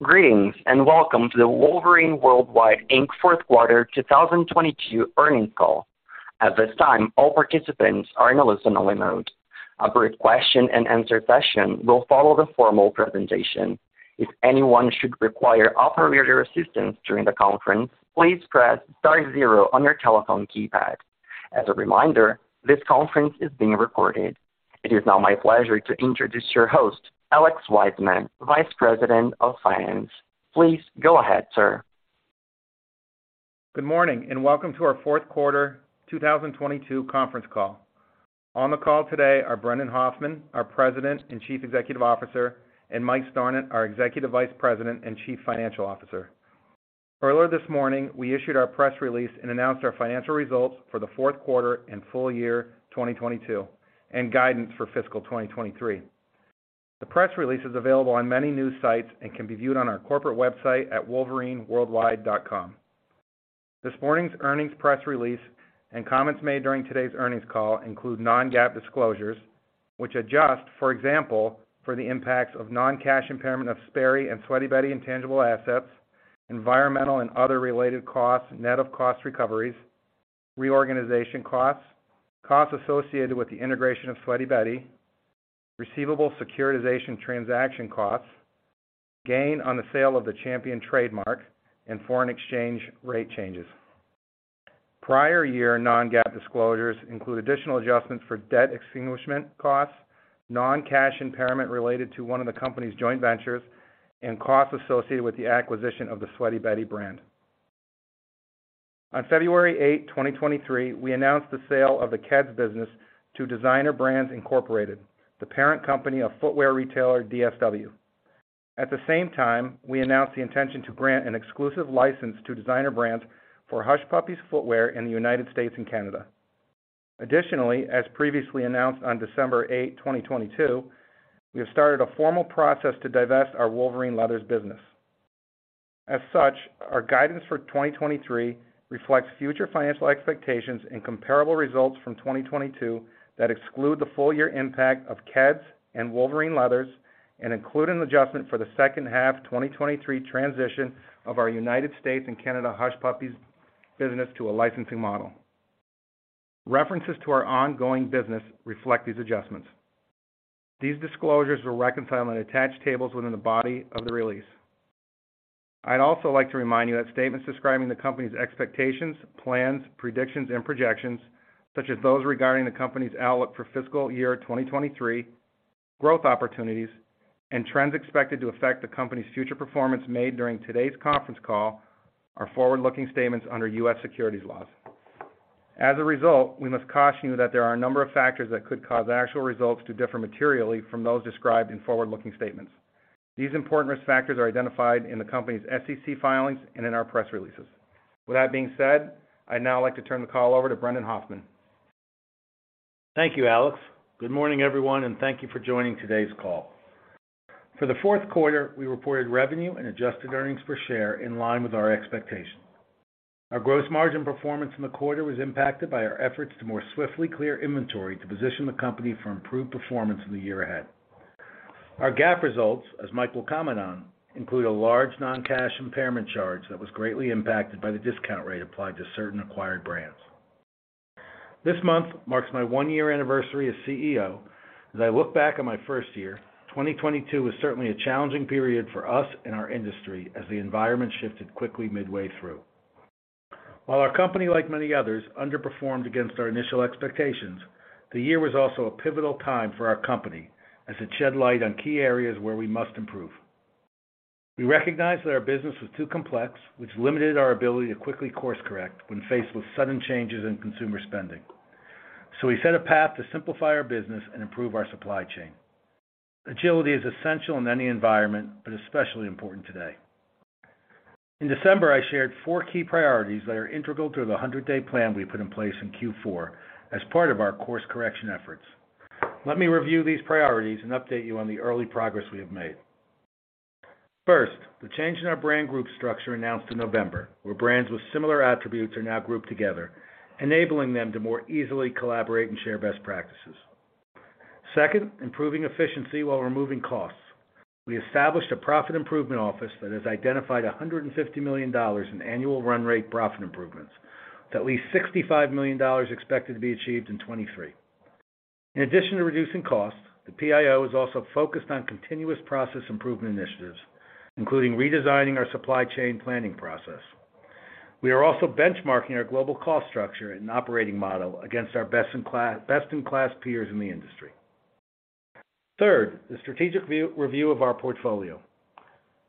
Greetings, and welcome to the Wolverine World Wide Inc fourth quarter 2022 earnings call. At this time, all participants are in a listen-only mode. A brief question and answer session will follow the formal presentation. If anyone should require operator assistance during the conference, please press star zero on your telephone keypad. As a reminder, this conference is being recorded. It is now my pleasure to introduce your host, Alex Wiseman, Vice President of Finance. Please go ahead, sir. Good morning, welcome to our fourth quarter 2022 conference call. On the call today are Brendan Hoffman, our President and Chief Executive Officer, and Mike Stornant, our Executive Vice President and Chief Financial Officer. Earlier this morning, we issued our press release and announced our financial results for the fourth quarter and full year 2022, and guidance for fiscal 2023. The press release is available on many news sites and can be viewed on our corporate website at wolverineworldwide.com. This morning's earnings press release and comments made during today's earnings call include non-GAAP disclosures, which adjust, for example, for the impacts of non-cash impairment of Sperry and Sweaty Betty intangible assets, environmental and other related costs, net of cost recoveries, reorganization costs associated with the integration of Sweaty Betty, receivable securitization transaction costs, gain on the sale of the Champion trademark, and foreign exchange rate changes. Prior year non-GAAP disclosures include additional adjustments for debt extinguishment costs, non-cash impairment related to one of the company's joint ventures, and costs associated with the acquisition of the Sweaty Betty brand. On February 8, 2023, we announced the sale of the Keds business to Designer Brands Inc, the parent company of footwear retailer DSW. At the same time, we announced the intention to grant an exclusive license to Designer Brands for Hush Puppies footwear in the United States and Canada. As previously announced on December 8, 2022, we have started a formal process to divest our Wolverine Leathers business. Our guidance for 2023 reflects future financial expectations and comparable results from 2022 that exclude the full year impact of Keds and Wolverine Leathers and include an adjustment for the second half 2023 transition of our U.S. and Canada Hush Puppies business to a licensing model. References to our ongoing business reflect these adjustments. These disclosures will reconcile on attached tables within the body of the release. I'd also like to remind you that statements describing the company's expectations, plans, predictions, and projections, such as those regarding the company's outlook for fiscal year 2023, growth opportunities, and trends expected to affect the company's future performance made during today's conference call are forward-looking statements under U.S. securities laws. We must caution you that there are a number of factors that could cause actual results to differ materially from those described in forward-looking statements. These important risk factors are identified in the company's SEC filings and in our press releases. With that being said, I'd now like to turn the call over to Brendan Hoffman. Thank you, Alex. Good morning, everyone. Thank you for joining today's call. For the fourth quarter, we reported revenue and adjusted earnings per share in line with our expectations. Our gross margin performance in the quarter was impacted by our efforts to more swiftly clear inventory to position the company for improved performance in the year ahead. Our GAAP results, as Mike will comment on, include a large non-cash impairment charge that was greatly impacted by the discount rate applied to certain acquired brands. This month marks my one-year anniversary as CEO. As I look back on my first year, 2022 was certainly a challenging period for us and our industry as the environment shifted quickly midway through. While our company, like many others, underperformed against our initial expectations, the year was also a pivotal time for our company as it shed light on key areas where we must improve. We recognized that our business was too complex, which limited our ability to quickly course correct when faced with sudden changes in consumer spending. We set a path to simplify our business and improve our supply chain. Agility is essential in any environment, but especially important today. In December, I shared four key priorities that are integral to the 100-day plan we put in place in Q4 as part of our course correction efforts. Let me review these priorities and update you on the early progress we have made. First, the change in our brand group structure announced in November, where brands with similar attributes are now grouped together, enabling them to more easily collaborate and share best practices. Second, improving efficiency while removing costs. We established a Profit Improvement Office that has identified $150 million in annual run rate profit improvements, with at least $65 million expected to be achieved in 2023. In addition to reducing costs, the PIO is also focused on continuous process improvement initiatives, including redesigning our supply chain planning process. We are also benchmarking our global cost structure and operating model against our best in class peers in the industry. Third, the strategic review of our portfolio.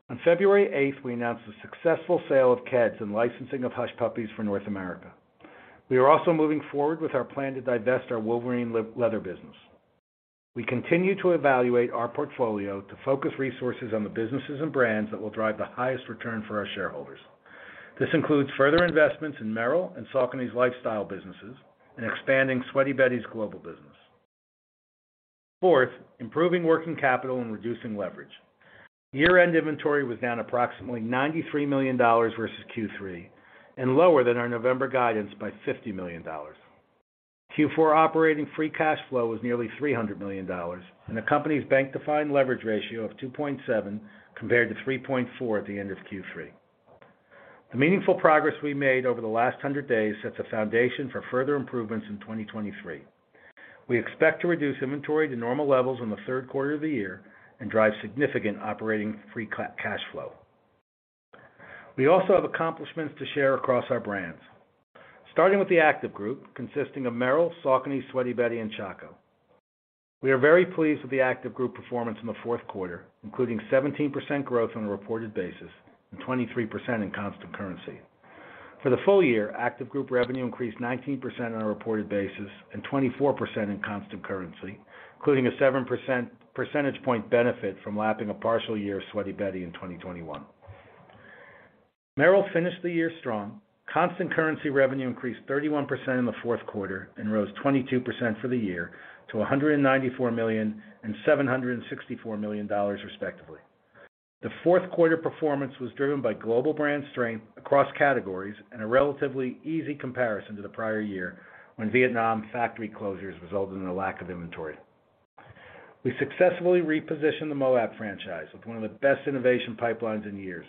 On February 8th, we announced the successful sale of Keds and licensing of Hush Puppies for North America. We are also moving forward with our plan to divest our Wolverine Leathers business. We continue to evaluate our portfolio to focus resources on the businesses and brands that will drive the highest return for our shareholders. This includes further investments in Merrell and Saucony's lifestyle businesses and expanding Sweaty Betty's global business. Fourth, improving working capital and reducing leverage. Year-end inventory was down approximately $93 million versus Q3 and lower than our November guidance by $50 million. Q4 operating free cash flow was nearly $300 million, and the company's bank-defined leverage ratio of 2.7 compared to 3.4 at the end of Q3. The meaningful progress we made over the last 100 days sets a foundation for further improvements in 2023. We expect to reduce inventory to normal levels in the third quarter of the year and drive significant operating free cash flow. We also have accomplishments to share across our brands. Starting with the active group consisting of Merrell, Saucony, Sweaty Betty, and Chaco. We are very pleased with the active group performance in the fourth quarter, including 17% growth on a reported basis, and 23% in constant currency. For the full year, active group revenue increased 19% on a reported basis and 24% in constant currency, including a seven percentage point benefit from lapping a partial year of Sweaty Betty in 2021. Merrell finished the year strong. Constant currency revenue increased 31% in the fourth quarter and rose 22% for the year to $194 million and $764 million respectively. The fourth quarter performance was driven by global brand strength across categories and a relatively easy comparison to the prior year when Vietnam factory closures resulted in a lack of inventory. We successfully repositioned the Moab franchise with one of the best innovation pipelines in years.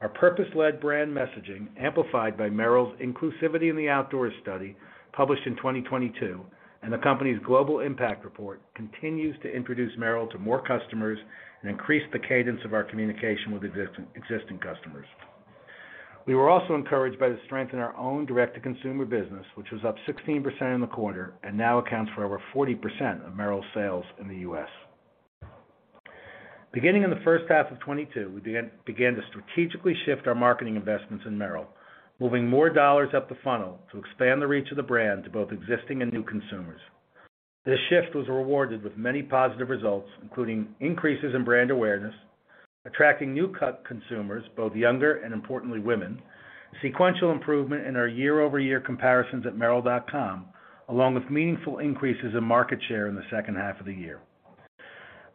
Our purpose-led brand messaging amplified by Merrell's inclusivity in the outdoor study, published in 2022, and the company's global impact report continues to introduce Merrell to more customers and increase the cadence of our communication with existing customers. We were also encouraged by the strength in our own direct-to-consumer business, which was up 16% in the quarter and now accounts for over 40% of Merrell's sales in the U.S. Beginning in the first half of 2022, we began to strategically shift our marketing investments in Merrell, moving more dollars up the funnel to expand the reach of the brand to both existing and new consumers. This shift was rewarded with many positive results, including increases in brand awareness, attracting new consumers, both younger and importantly women, sequential improvement in our year-over-year comparisons at Merrell.com, along with meaningful increases in market share in the second half of the year.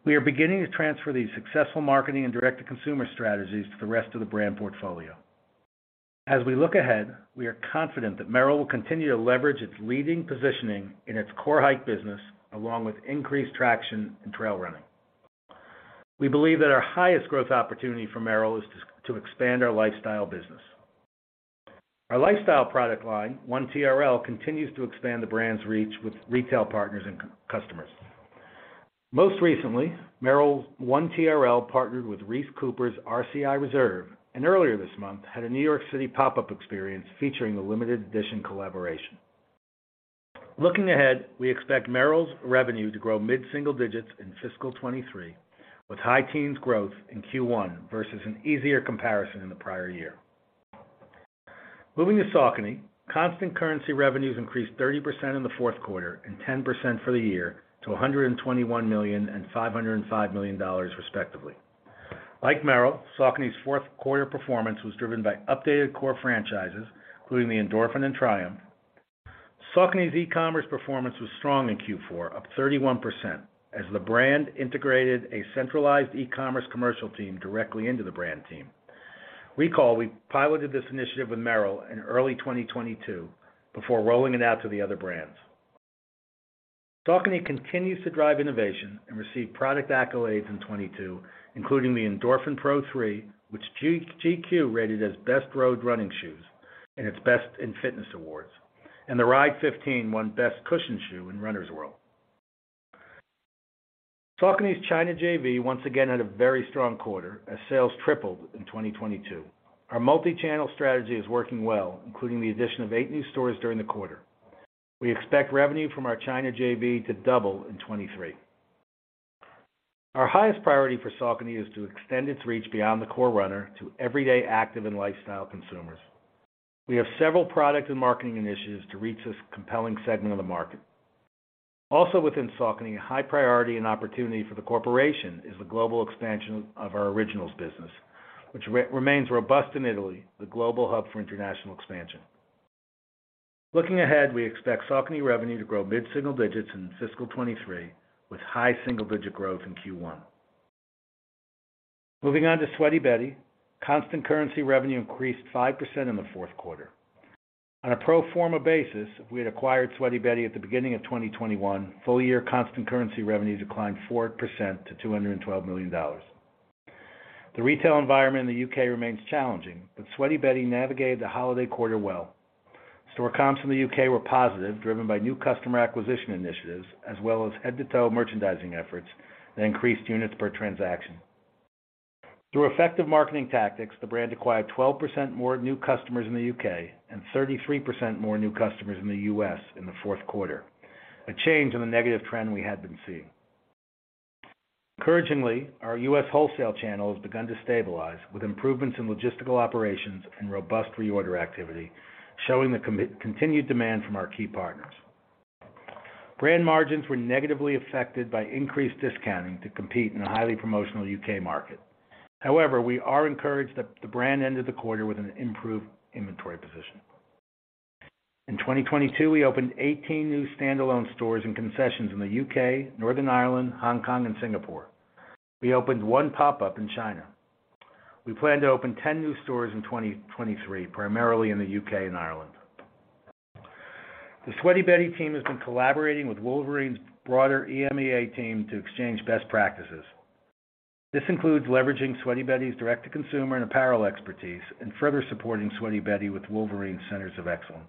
We are beginning to transfer these successful marketing and direct-to-consumer strategies to the rest of the brand portfolio. As we look ahead, we are confident that Merrell will continue to leverage its leading positioning in its core hike business along with increased traction in trail running. We believe that our highest growth opportunity for Merrell is to expand our lifestyle business. Our lifestyle product line, 1 TRL, continues to expand the brand's reach with retail partners and customers. Most recently, Merrell's 1 TRL partnered with Reese Cooper's RCI Reserve, and earlier this month, had a New York City pop-up experience featuring a limited edition collaboration. Looking ahead, we expect Merrell's revenue to grow mid-single digits in fiscal 2023, with high teens growth in Q1 versus an easier comparison in the prior year. Moving to Saucony, constant currency revenues increased 30% in the fourth quarter and 10% for the year to $121 million and $505 million respectively. Like Merrell, Saucony's fourth quarter performance was driven by updated core franchises, including the Endorphin and Triumph. Saucony's e-commerce performance was strong in Q4, up 31%, as the brand integrated a centralized e-commerce commercial team directly into the brand team. Recall we piloted this initiative with Merrell in early 2022 before rolling it out to the other brands. Saucony continues to drive innovation and receive product accolades in 2022, including the Endorphin Pro 3, which GQ rated as best road running shoes in its GQ Fitness Awards. The Ride 15 won Best Cushion Shoe in Runner's World. Saucony's China JV once again had a very strong quarter as sales tripled in 2022. Our multi-channel strategy is working well, including the addition of eight new stores during the quarter. We expect revenue from our China JV to double in 2023. Our highest priority for Saucony is to extend its reach beyond the core runner to everyday active and lifestyle consumers. We have several product and marketing initiatives to reach this compelling segment of the market. Within Saucony, a high priority and opportunity for the corporation is the global expansion of our originals business, which remains robust in Italy, the global hub for international expansion. Looking ahead, we expect Saucony revenue to grow mid-single digits in fiscal 2023 with high single-digit growth in Q1. Moving on to Sweaty Betty. Constant currency revenue increased 5% in the fourth quarter. On a pro forma basis, if we had acquired Sweaty Betty at the beginning of 2021, full year constant currency revenues declined 4% to $212 million. The retail environment in the U.K. remains challenging, but Sweaty Betty navigated the holiday quarter well. Store comps in the U.K. were positive, driven by new customer acquisition initiatives as well as head-to-toe merchandising efforts that increased units per transaction. Through effective marketing tactics, the brand acquired 12% more new customers in the U.K. and 33% more new customers in the U.S. in the fourth quarter, a change in the negative trend we had been seeing. Encouragingly, our U.S. wholesale channel has begun to stabilize, with improvements in logistical operations and robust reorder activity, showing the continued demand from our key partners. Brand margins were negatively affected by increased discounting to compete in a highly promotional U.K. market. We are encouraged that the brand ended the quarter with an improved inventory position. In 2022, we opened 18 new standalone stores and concessions in the U.K., Northern Ireland, Hong Kong, and Singapore. We opened one pop-up in China. We plan to open 10 new stores in 2023, primarily in the U.K. and Ireland. The Sweaty Betty team has been collaborating with Wolverine's broader EMEA team to exchange best practices. This includes leveraging Sweaty Betty's direct-to-consumer and apparel expertise and further supporting Sweaty Betty with Wolverine Centers of Excellence.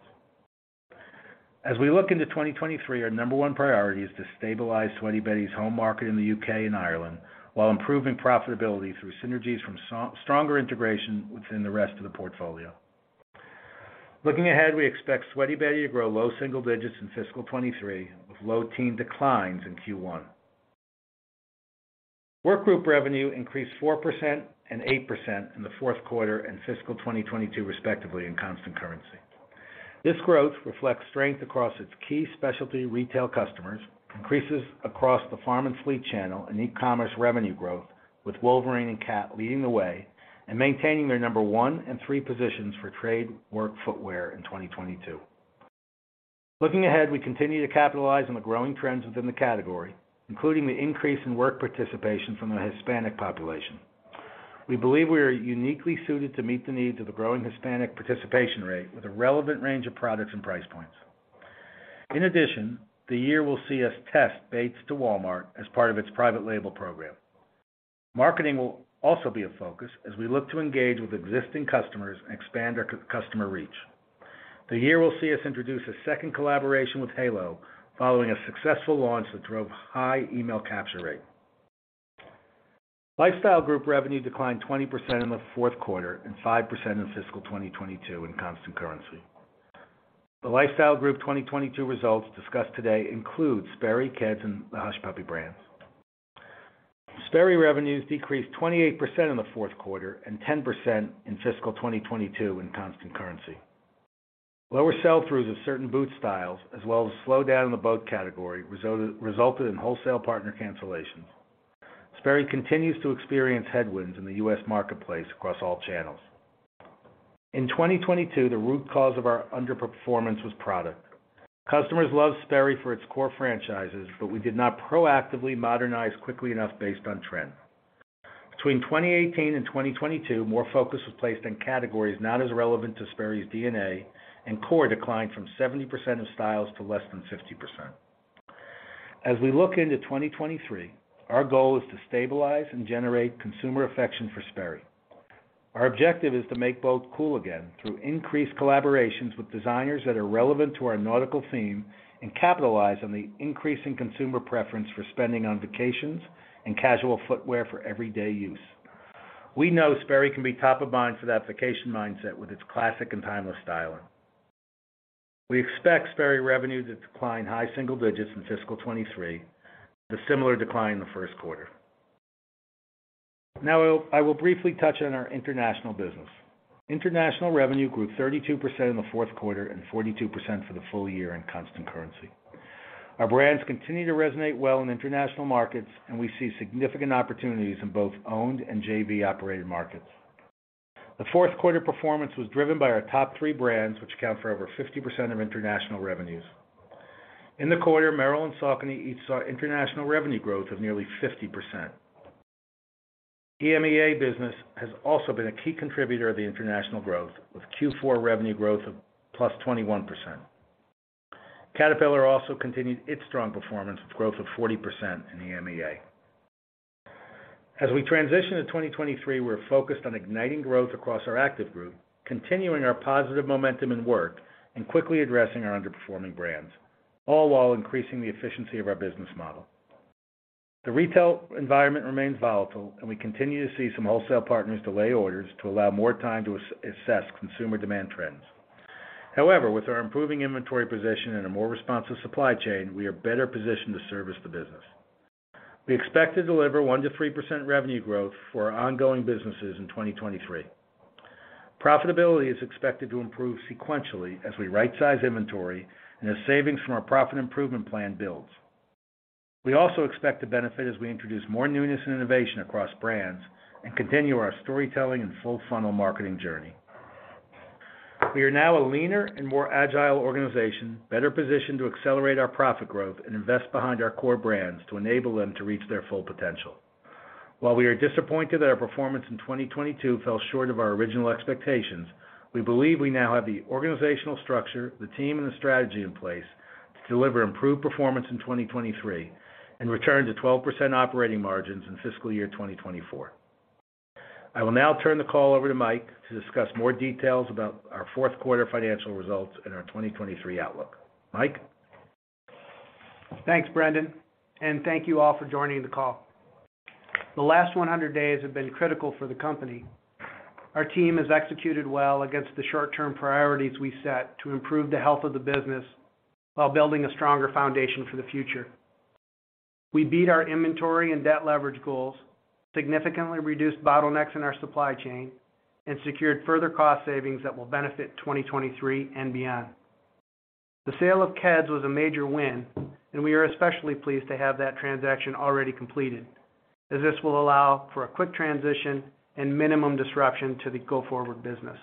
As we look into 2023, our number one priority is to stabilize Sweaty Betty's home market in the U.K. and Ireland, while improving profitability through synergies from stronger integration within the rest of the portfolio. Looking ahead, we expect Sweaty Betty to grow low single digits in fiscal 2023, with low teen declines in Q1. Work group revenue increased 4% and 8% in the fourth quarter and fiscal 2022 respectively in constant currency. This growth reflects strength across its key specialty retail customers, increases across the farm and fleet channel, and e-commerce revenue growth, with Wolverine and Cat leading the way and maintaining their number one and three positions for trade work footwear in 2022. Looking ahead, we continue to capitalize on the growing trends within the category, including the increase in work participation from the Hispanic population. We believe we are uniquely suited to meet the needs of the growing Hispanic participation rate with a relevant range of products and price points. In addition, the year will see us test Bates to Walmart as part of its private label program. Marketing will also be a focus as we look to engage with existing customers and expand our customer reach. The year will see us introduce a second collaboration with Halo following a successful launch that drove high email capture rate. Lifestyle group revenue declined 20% in the fourth quarter and 5% in fiscal 2022 in constant currency. The Lifestyle Group 2022 results discussed today include Sperry, Keds, and the Hush Puppies brands. Sperry revenues decreased 28% in the fourth quarter and 10% in fiscal 2022 in constant currency. Lower sell-throughs of certain boot styles, as well as a slowdown in the boat category resulted in wholesale partner cancellations. Sperry continues to experience headwinds in the U.S. marketplace across all channels. In 2022, the root cause of our underperformance was product. Customers love Sperry for its core franchises, but we did not proactively modernize quickly enough based on trend. Between 2018 and 2022, more focus was placed on categories not as relevant to Sperry's DNA, and core declined from 70% of styles to less than 50%. As we look into 2023, our goal is to stabilize and generate consumer affection for Sperry. Our objective is to make boat cool again through increased collaborations with designers that are relevant to our nautical theme, capitalize on the increasing consumer preference for spending on vacations and casual footwear for everyday use. We know Sperry can be top of mind for that vacation mindset with its classic and timeless styling. We expect Sperry revenue to decline high single digits in fiscal 2023, with a similar decline in the first quarter. Now I will briefly touch on our international business. International revenue grew 32% in the fourth quarter and 42% for the full year in constant currency. Our brands continue to resonate well in international markets, we see significant opportunities in both owned and JV-operated markets. The fourth quarter performance was driven by our top three brands, which account for over 50% of international revenues. In the quarter, Merrell and Saucony each saw international revenue growth of nearly 50%. EMEA business has also been a key contributor of the international growth, with Q4 revenue growth of +21%. Caterpillar also continued its strong performance with growth of 40% in EMEA. As we transition to 2023, we're focused on igniting growth across our active group, continuing our positive momentum in Work, and quickly addressing our underperforming brands, all while increasing the efficiency of our business model. The retail environment remains volatile, we continue to see some wholesale partners delay orders to allow more time to assess consumer demand trends. However, with our improving inventory position and a more responsive supply chain, we are better positioned to service the business. We expect to deliver 1% to 3% revenue growth for our ongoing businesses in 2023. Profitability is expected to improve sequentially as we right-size inventory and as savings from our Profit Improvement Plan builds. We also expect to benefit as we introduce more newness and innovation across brands and continue our storytelling and full funnel marketing journey. We are now a leaner and more agile organization, better positioned to accelerate our profit growth and invest behind our core brands to enable them to reach their full potential. While we are disappointed that our performance in 2022 fell short of our original expectations, we believe we now have the organizational structure, the team, and the strategy in place to deliver improved performance in 2023 and return to 12% operating margins in fiscal year 2024. I will now turn the call over to Mike to discuss more details about our fourth quarter financial results and our 2023 outlook. Mike? Thanks, Brendan. Thank you all for joining the call. The last 100 days have been critical for the company. Our team has executed well against the short-term priorities we set to improve the health of the business while building a stronger foundation for the future. We beat our inventory and debt leverage goals, significantly reduced bottlenecks in our supply chain, and secured further cost savings that will benefit 2023 and beyond. The sale of Keds was a major win, and we are especially pleased to have that transaction already completed, as this will allow for a quick transition and minimum disruption to the go-forward business.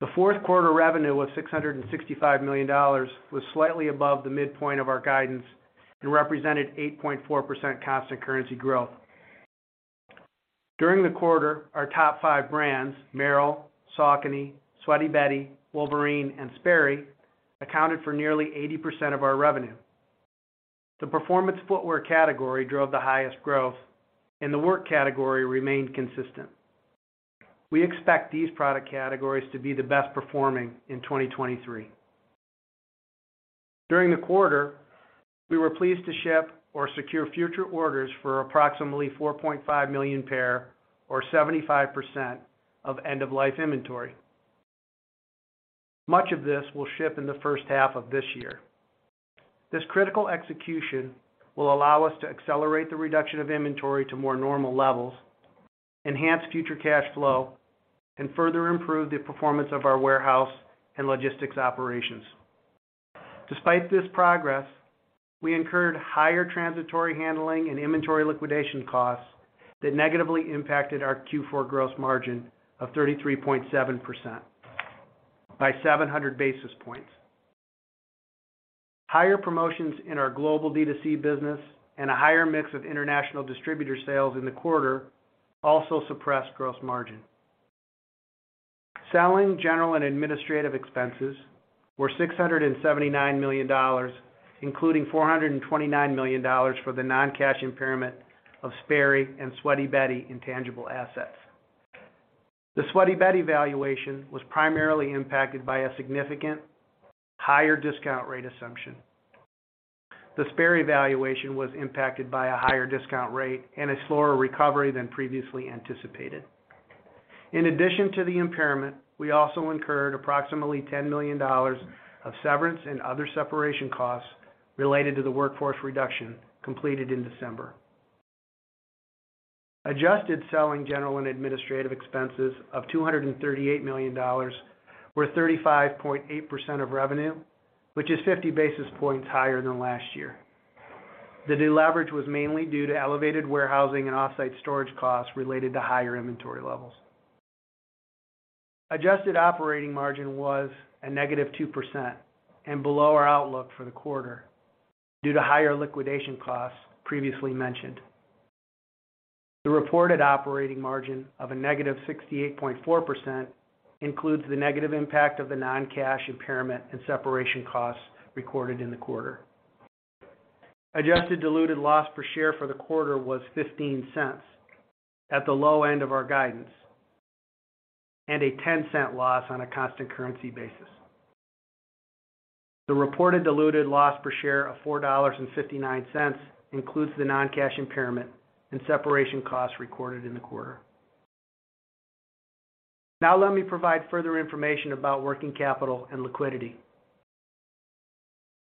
The fourth quarter revenue was $665 million, was slightly above the midpoint of our guidance and represented 8.4% constant currency growth. During the quarter, our top five brands, Merrell, Saucony, Sweaty Betty, Wolverine, and Sperry, accounted for nearly 80% of our revenue. The performance footwear category drove the highest growth and the work category remained consistent. We expect these product categories to be the best performing in 2023. During the quarter, we were pleased to ship or secure future orders for approximately 4.5 million pair or 75% of end-of-life inventory. Much of this will ship in the first half of this year. This critical execution will allow us to accelerate the reduction of inventory to more normal levels, enhance future cash flow, and further improve the performance of our warehouse and logistics operations. Despite this progress, we incurred higher transitory handling and inventory liquidation costs that negatively impacted our Q4 gross margin of 33.7% by 700 basis points. Higher promotions in our global D2C business and a higher mix of international distributor sales in the quarter also suppressed gross margin. Selling general and administrative expenses were $679 million, including $429 million for the non-cash impairment of Sperry and Sweaty Betty intangible assets. The Sweaty Betty valuation was primarily impacted by a significant higher discount rate assumption. The Sperry valuation was impacted by a higher discount rate and a slower recovery than previously anticipated. In addition to the impairment, we also incurred approximately $10 million of severance and other separation costs related to the workforce reduction completed in December. Adjusted selling general and administrative expenses of $238 million were 35.8% of revenue, which is 50 basis points higher than last year. The deleverage was mainly due to elevated warehousing and off-site storage costs related to higher inventory levels. Adjusted operating margin was a negative 2% and below our outlook for the quarter due to higher liquidation costs previously mentioned. The reported operating margin of a negative 68.4% includes the negative impact of the non-cash impairment and separation costs recorded in the quarter. Let me provide further information about working capital and liquidity.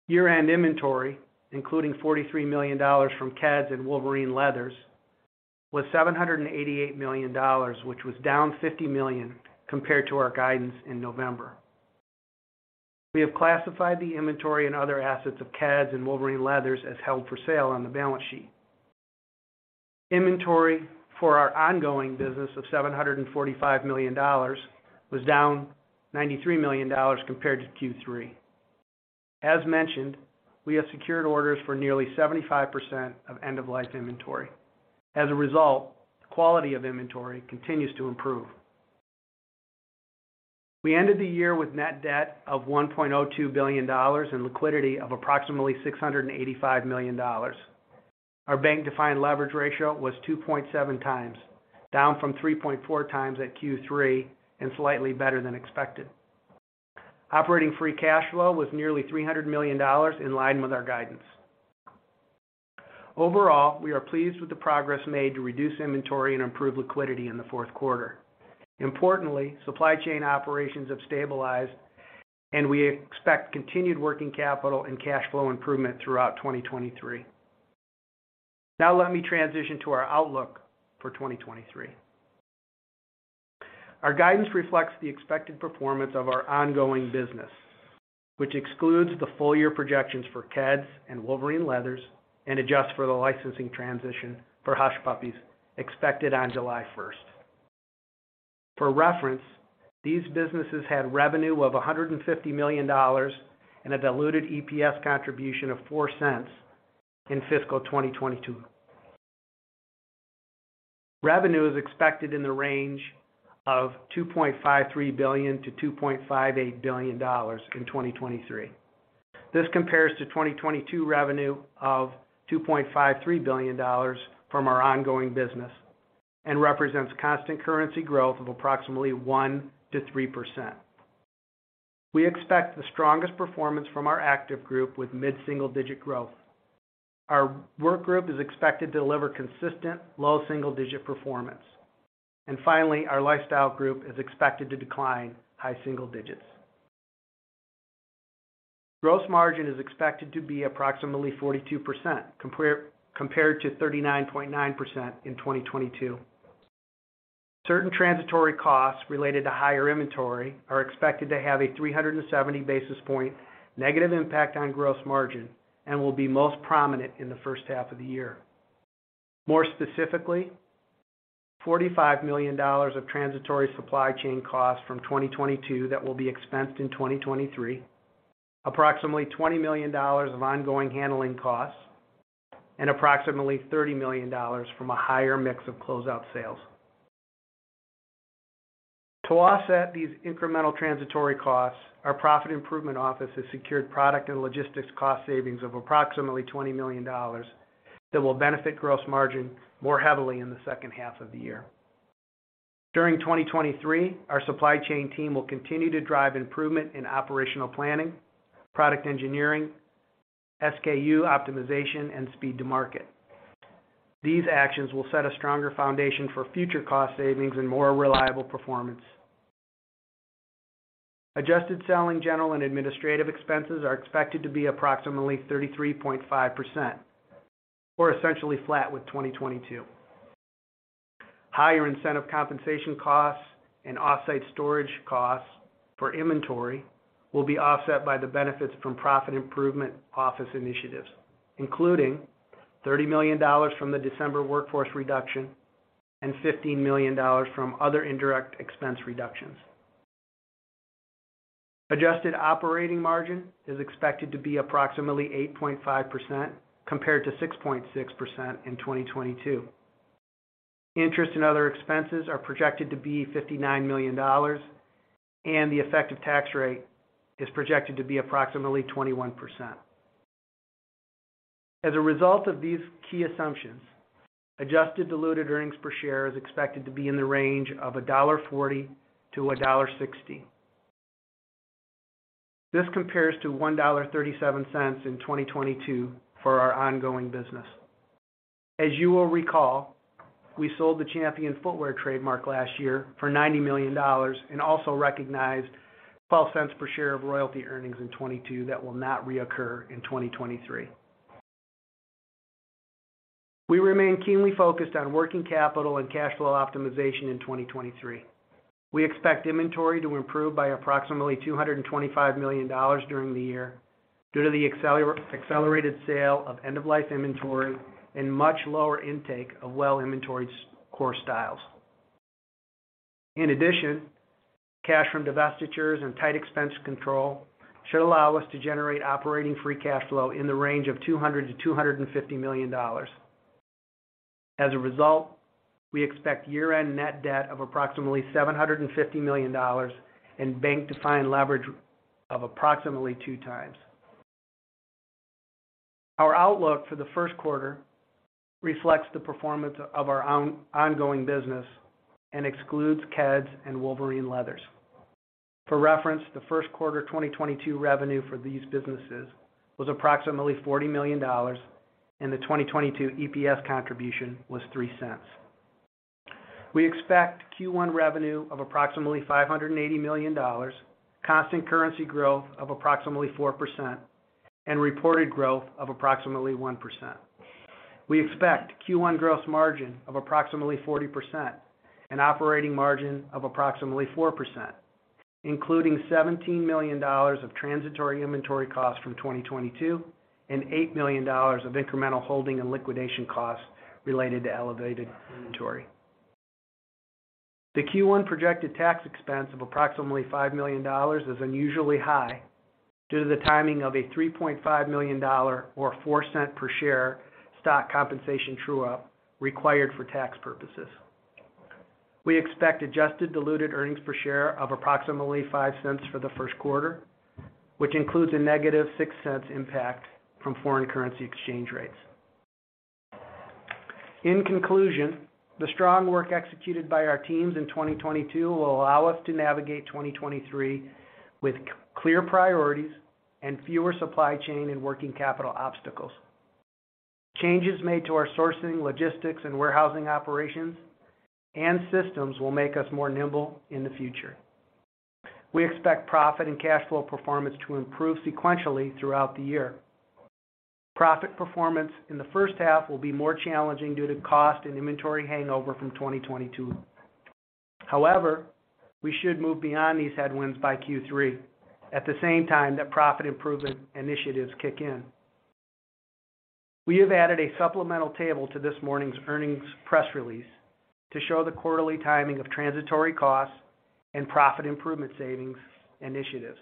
Year-end inventory, including $43 million from Keds and Wolverine Leathers, was $788 million, which was down $50 million compared to our guidance in November. We have classified the inventory and other assets of Keds and Wolverine Leathers as held for sale on the balance sheet. Inventory for our ongoing business of $745 million was down $93 million compared to Q3. As mentioned, we have secured orders for nearly 75% of end-of-life inventory. As a result, quality of inventory continues to improve. We ended the year with net debt of $1.02 billion and liquidity of approximately $685 million. Our bank-defined leverage ratio was 2.7 times, down from 3.4 times at Q3 and slightly better than expected. Operating free cash flow was nearly $300 million in line with our guidance. Overall, we are pleased with the progress made to reduce inventory and improve liquidity in the fourth quarter. Importantly, supply chain operations have stabilized and we expect continued working capital and cash flow improvement throughout 2023. Let me transition to our outlook for 2023. Our guidance reflects the expected performance of our ongoing business, which excludes the full year projections for Keds and Wolverine Leathers, and adjusts for the licensing transition for Hush Puppies expected on July 1st. For reference, these businesses had revenue of $150 million and a diluted EPS contribution of $0.04 in fiscal 2022. Revenue is expected in the range of $2.53 billion-$2.58 billion in 2023. This compares to 2022 revenue of $2.53 billion from our ongoing business and represents constant currency growth of approximately 1%-3%. We expect the strongest performance from our active group with mid-single digit growth. Our work group is expected to deliver consistent low single digit performance. Finally, our lifestyle group is expected to decline high single digits. Gross margin is expected to be approximately 42% compared to 39.9% in 2022. Certain transitory costs related to higher inventory are expected to have a 370 basis point negative impact on gross margin and will be most prominent in the first half of the year. More specifically, $45 million of transitory supply chain costs from 2022 that will be expensed in 2023. Approximately $20 million of ongoing handling costs, and approximately $30 million from a higher mix of closeout sales. To offset these incremental transitory costs, our Profit Improvement Office has secured product and logistics cost savings of approximately $20 million that will benefit gross margin more heavily in the second half of the year. During 2023, our supply chain team will continue to drive improvement in operational planning, product engineering, SKU optimization, and speed to market. These actions will set a stronger foundation for future cost savings and more reliable performance. Adjusted selling general and administrative expenses are expected to be approximately 33.5% or essentially flat with 2022. Higher incentive compensation costs and off-site storage costs for inventory will be offset by the benefits from Profit Improvement Office initiatives, including $30 million from the December workforce reduction and $15 million from other indirect expense reductions. Adjusted operating margin is expected to be approximately 8.5% compared to 6.6% in 2022. Interest and other expenses are projected to be $59 million, and the effective tax rate is projected to be approximately 21%. As a result of these key assumptions, adjusted diluted earnings per share is expected to be in the range of $1.40-$1.60. This compares to $1.37 in 2022 for our ongoing business. As you will recall, we sold the Champion footwear trademark last year for $90 million and also recognized $0.12 per share of royalty earnings in 2022 that will not reoccur in 2023. We remain keenly focused on working capital and cash flow optimization in 2023. We expect inventory to improve by approximately $225 million during the year due to the accelerated sale of end-of-life inventory and much lower intake of well-inventoried core styles. In addition, cash from divestitures and tight expense control should allow us to generate operating free cash flow in the range of $200 million-$250 million. As a result, we expect year-end net debt of approximately $750 million and bank-defined leverage of approximately two times. Our outlook for the first quarter reflects the performance of our ongoing business and excludes Keds and Wolverine Leathers. For reference, the first quarter 2022 revenue for these businesses was approximately $40 million, and the 2022 EPS contribution was $0.03. We expect Q1 revenue of approximately $580 million, constant currency growth of approximately 4%, and reported growth of approximately 1%. We expect Q1 gross margin of approximately 40% and operating margin of approximately 4%, including $17 million of transitory inventory costs from 2022 and $8 million of incremental holding and liquidation costs related to elevated inventory. The Q1 projected tax expense of approximately $5 million is unusually high due to the timing of a $3.5 million or $0.04 per share stock compensation true-up required for tax purposes. We expect adjusted diluted earnings per share of approximately $0.05 for the first quarter, which includes a -$0.06 impact from foreign currency exchange rates. In conclusion, the strong work executed by our teams in 2022 will allow us to navigate 2023 with clear priorities and fewer supply chain and working capital obstacles. Changes made to our sourcing, logistics, and warehousing operations and systems will make us more nimble in the future. We expect profit and cash flow performance to improve sequentially throughout the year. Profit performance in the first half will be more challenging due to cost and inventory hangover from 2022. However, we should move beyond these headwinds by Q3 at the same time that profit improvement initiatives kick in. We have added a supplemental table to this morning's earnings press release to show the quarterly timing of transitory costs and profit improvement savings initiatives.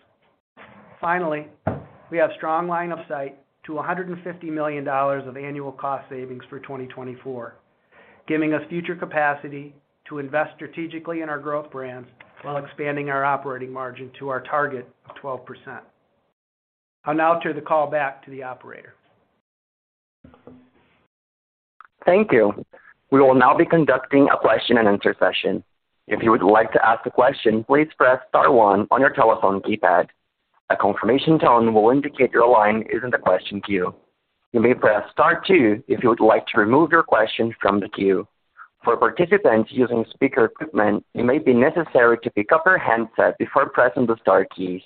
We have strong line of sight to $150 million of annual cost savings for 2024, giving us future capacity to invest strategically in our growth brands while expanding our operating margin to our target of 12%. I'll now turn the call back to the operator. Thank you. We will now be conducting a question and answer session. If you would like to ask a question, please press star one on your telephone keypad. A confirmation tone will indicate your line is in the question queue. You may press star two if you would like to remove your question from the queue. For participants using speaker equipment, it may be necessary to pick up your handset before pressing the star keys.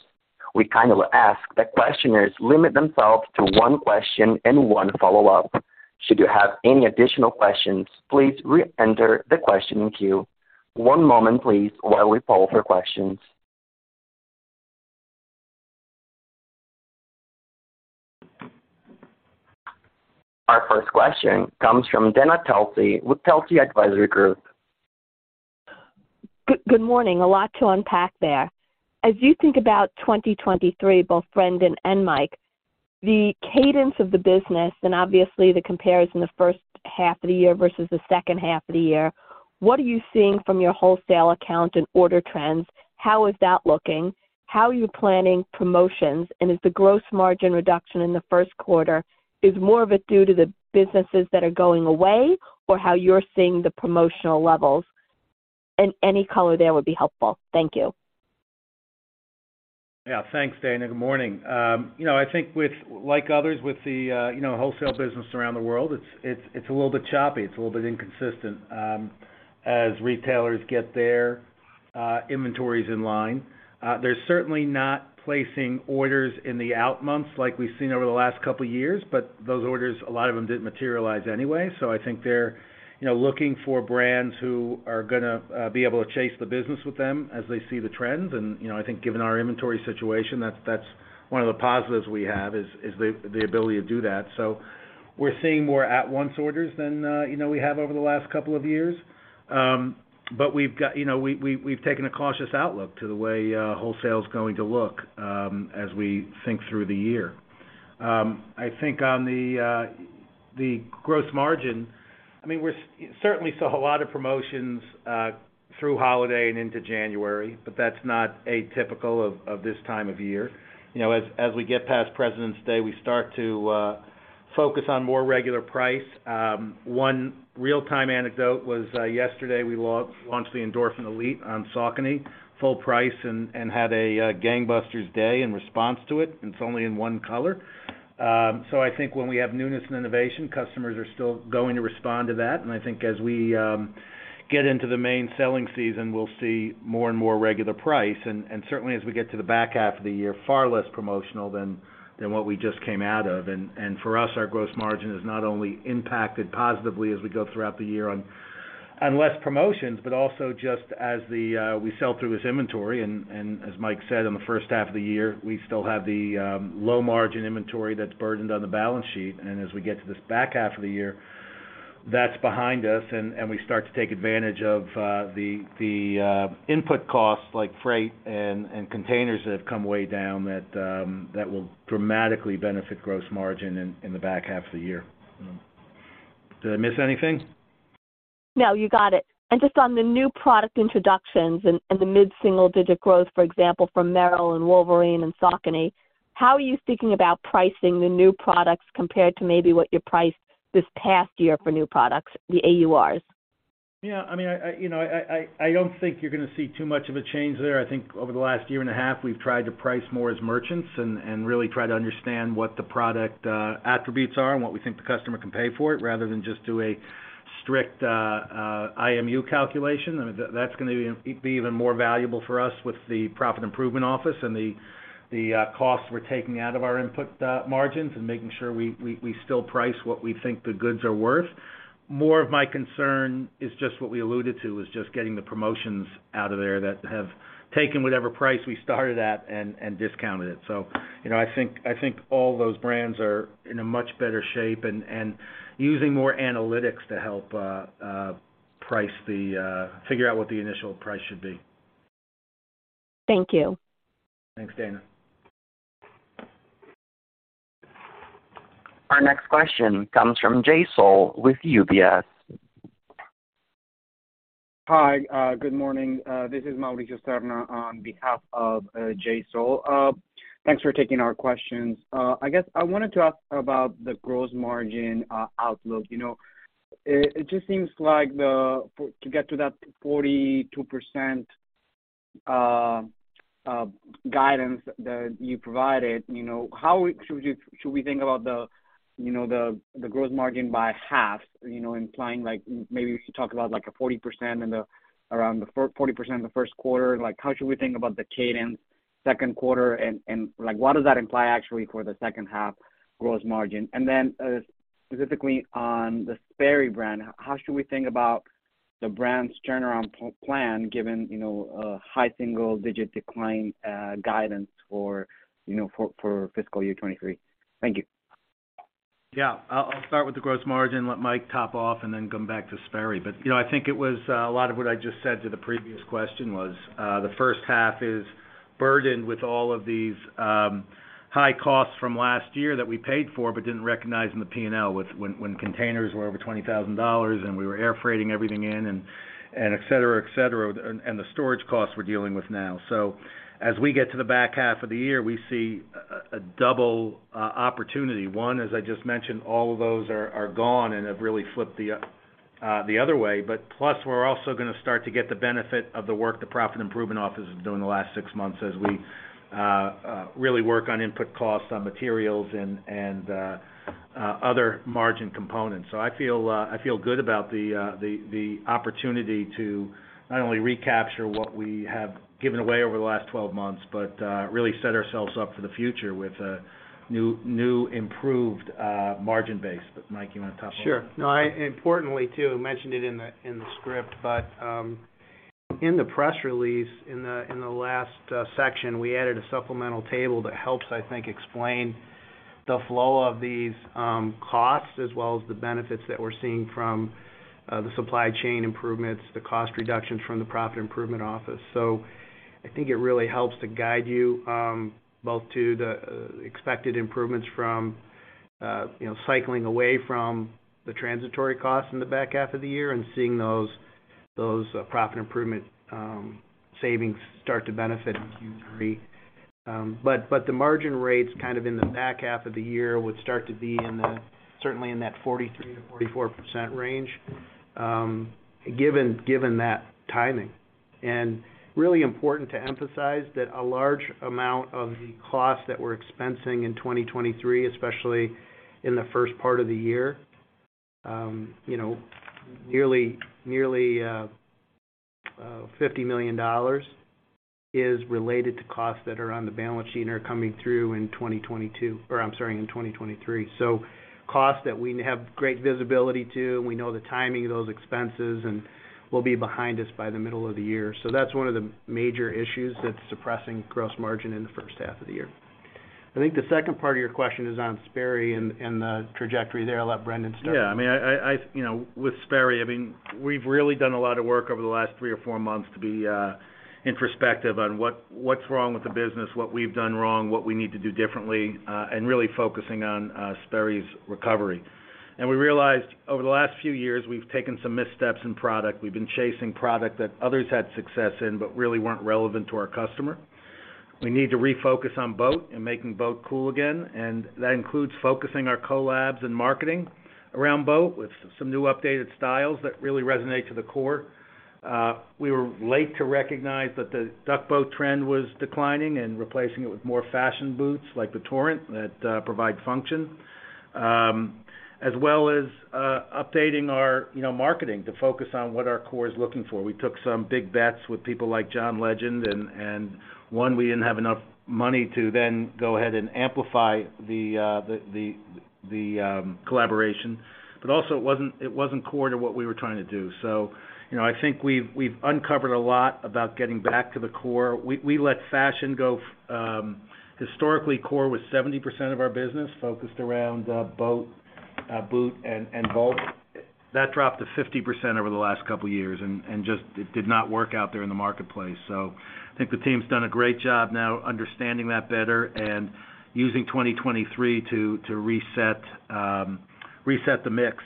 We kindly ask that questioners limit themselves to one question and one follow-up. Should you have any additional questions, please re-enter the questioning queue. One moment, please, while we poll for questions. Our first question comes from Dana Telsey with Telsey Advisory Group. Good morning. A lot to unpack there. As you think about 2023, both Brendan and Mike, the cadence of the business and obviously the comparison the first half of the year versus the second half of the year, what are you seeing from your wholesale account and order trends? How is that looking? How are you planning promotions? Is the gross margin reduction in the first quarter, is more of it due to the businesses that are going away or how you're seeing the promotional levels? Any color there would be helpful. Thank you. Yeah. Thanks, Dana. Good morning. You know, I think with like others with the, you know, wholesale business around the world, it's, it's a little bit choppy. It's a little bit inconsistent, as retailers get their inventories in line. They're certainly not placing orders in the out months like we've seen over the last couple years, but those orders, a lot of them didn't materialize anyway. I think they're, you know, looking for brands who are gonna be able to chase the business with them as they see the trends. You know, I think given our inventory situation, that's one of the positives we have is the ability to do that. We're seeing more at-once orders than, you know, we have over the last couple of years. You know, we've taken a cautious outlook to the way wholesale is going to look as we think through the year. I think on the gross margin, I mean, we certainly saw a lot of promotions through holiday and into January, but that's not atypical of this time of year. You know, as we get past President's Day, we start to focus on more regular price. One real-time anecdote was yesterday, we launched the Endorphin Elite on Saucony full price and had a gangbusters day in response to it. It's only in one color. I think when we have newness and innovation, customers are still going to respond to that. I think as we get into the main selling season, we'll see more and more regular price, and certainly as we get to the back half of the year, far less promotional than what we just came out of. For us, our gross margin is not only impacted positively as we go throughout the year on less promotions, but also just as we sell through this inventory, and as Mike said, in the first half of the year, we still have the low margin inventory that's burdened on the balance sheet. As we get to this back half of the year, that's behind us, and we start to take advantage of the input costs like freight and containers that have come way down that will dramatically benefit gross margin in the back half of the year. Did I miss anything? No, you got it. Just on the new product introductions and the mid-single digit growth, for example, from Merrell and Wolverine and Saucony, how are you thinking about pricing the new products compared to maybe what you priced this past year for new products, the AURs? Yeah, I mean, you know, I don't think you're gonna see too much of a change there. I think over the last year and a half, we've tried to price more as merchants and really try to understand what the product attributes are and what we think the customer can pay for it, rather than just do a strict IMU calculation. I mean, that's gonna be even more valuable for us with the Profit Improvement Office and the costs we're taking out of our input margins and making sure we still price what we think the goods are worth. More of my concern is just what we alluded to, is just getting the promotions out of there that have taken whatever price we started at and discounted it. you know, I think all those brands are in a much better shape and using more analytics to help figure out what the initial price should be. Thank you. Thanks, Dana. Our next question comes from Jay Sole with UBS. Hi. Good morning. This is Mauricio Serna on behalf of Jay Sole. Thanks for taking our questions. I guess I wanted to ask about the gross margin outlook. You know, it just seems like to get to that 42% guidance that you provided, you know, how should we think about the, you know, the gross margin by half, you know, implying like maybe if you talk about like a 40% in the first quarter. Like how should we think about the cadence second quarter and like what does that imply actually for the second half gross margin? Specifically on the Sperry brand, how should we think about the brand's turnaround plan given, you know, a high single-digit decline guidance for, you know, fiscal year 2023? Thank you. I'll start with the gross margin, let Mike top off, and then come back to Sperry. You know, I think it was a lot of what I just said to the previous question was the first half is burdened with all of these high costs from last year that we paid for but didn't recognize in the P&L when containers were over $20,000 and we were air freighting everything in and et cetera, et cetera, and the storage costs we're dealing with now. As we get to the back half of the year, we see a double opportunity. One, as I just mentioned, all of those are gone and have really flipped the other way. Plus, we're also gonna start to get the benefit of the work the Profit Improvement Office has done in the last six months as we really work on input costs on materials and other margin components. I feel good about the opportunity to not only recapture what we have given away over the last 12 months, but really set ourselves up for the future with a new improved margin base. Mike, you wanna top off? Importantly, too, mentioned it in the script, but in the press release, in the last section, we added a supplemental table that helps, I think, explain the flow of these costs as well as the benefits that we're seeing from the supply chain improvements, the cost reductions from the Profit Improvement Office. I think it really helps to guide you both to the expected improvements from, you know, cycling away from the transitory costs in the back half of the year and seeing those Profit Improvement savings start to benefit in Q3. But the margin rates kind of in the back half of the year would start to be certainly in that 43%-44% range, given that timing. Really important to emphasize that a large amount of the costs that we're expensing in 2023, especially in the first part of the year, you know, nearly $50 million is related to costs that are on the balance sheet and are coming through in 2022 or I'm sorry, in 2023. Costs that we have great visibility to, and we know the timing of those expenses and will be behind us by the middle of the year. That's one of the major issues that's suppressing gross margin in the first half of the year. I think the second part of your question is on Sperry and the trajectory there. I'll let Brendan start. Yeah. I mean, you know, with Sperry, I mean, we've really done a lot of work over the last three or four months to be introspective on what's wrong with the business, what we've done wrong, what we need to do differently, and really focusing on Sperry's recovery. We realized over the last few years, we've taken some missteps in product. We've been chasing product that others had success in but really weren't relevant to our customer. We need to refocus on boat and making boat cool again, and that includes focusing our collabs and marketing around boat with some new updated styles that really resonate to the core. We were late to recognize that the duck boot trend was declining and replacing it with more fashion boots like the Torrent that provide function, as well as updating our, you know, marketing to focus on what our core is looking for. We took some big bets with people like John Legend, and one, we didn't have enough money to then go ahead and amplify the collaboration. Also, it wasn't, it wasn't core to what we were trying to do. You know, I think we've uncovered a lot about getting back to the core. We, we let fashion go. Historically, core was 70% of our business focused around boat, boot and vault. That dropped to 50% over the last couple years and just it did not work out there in the marketplace. I think the team's done a great job now understanding that better and using 2023 to reset the mix.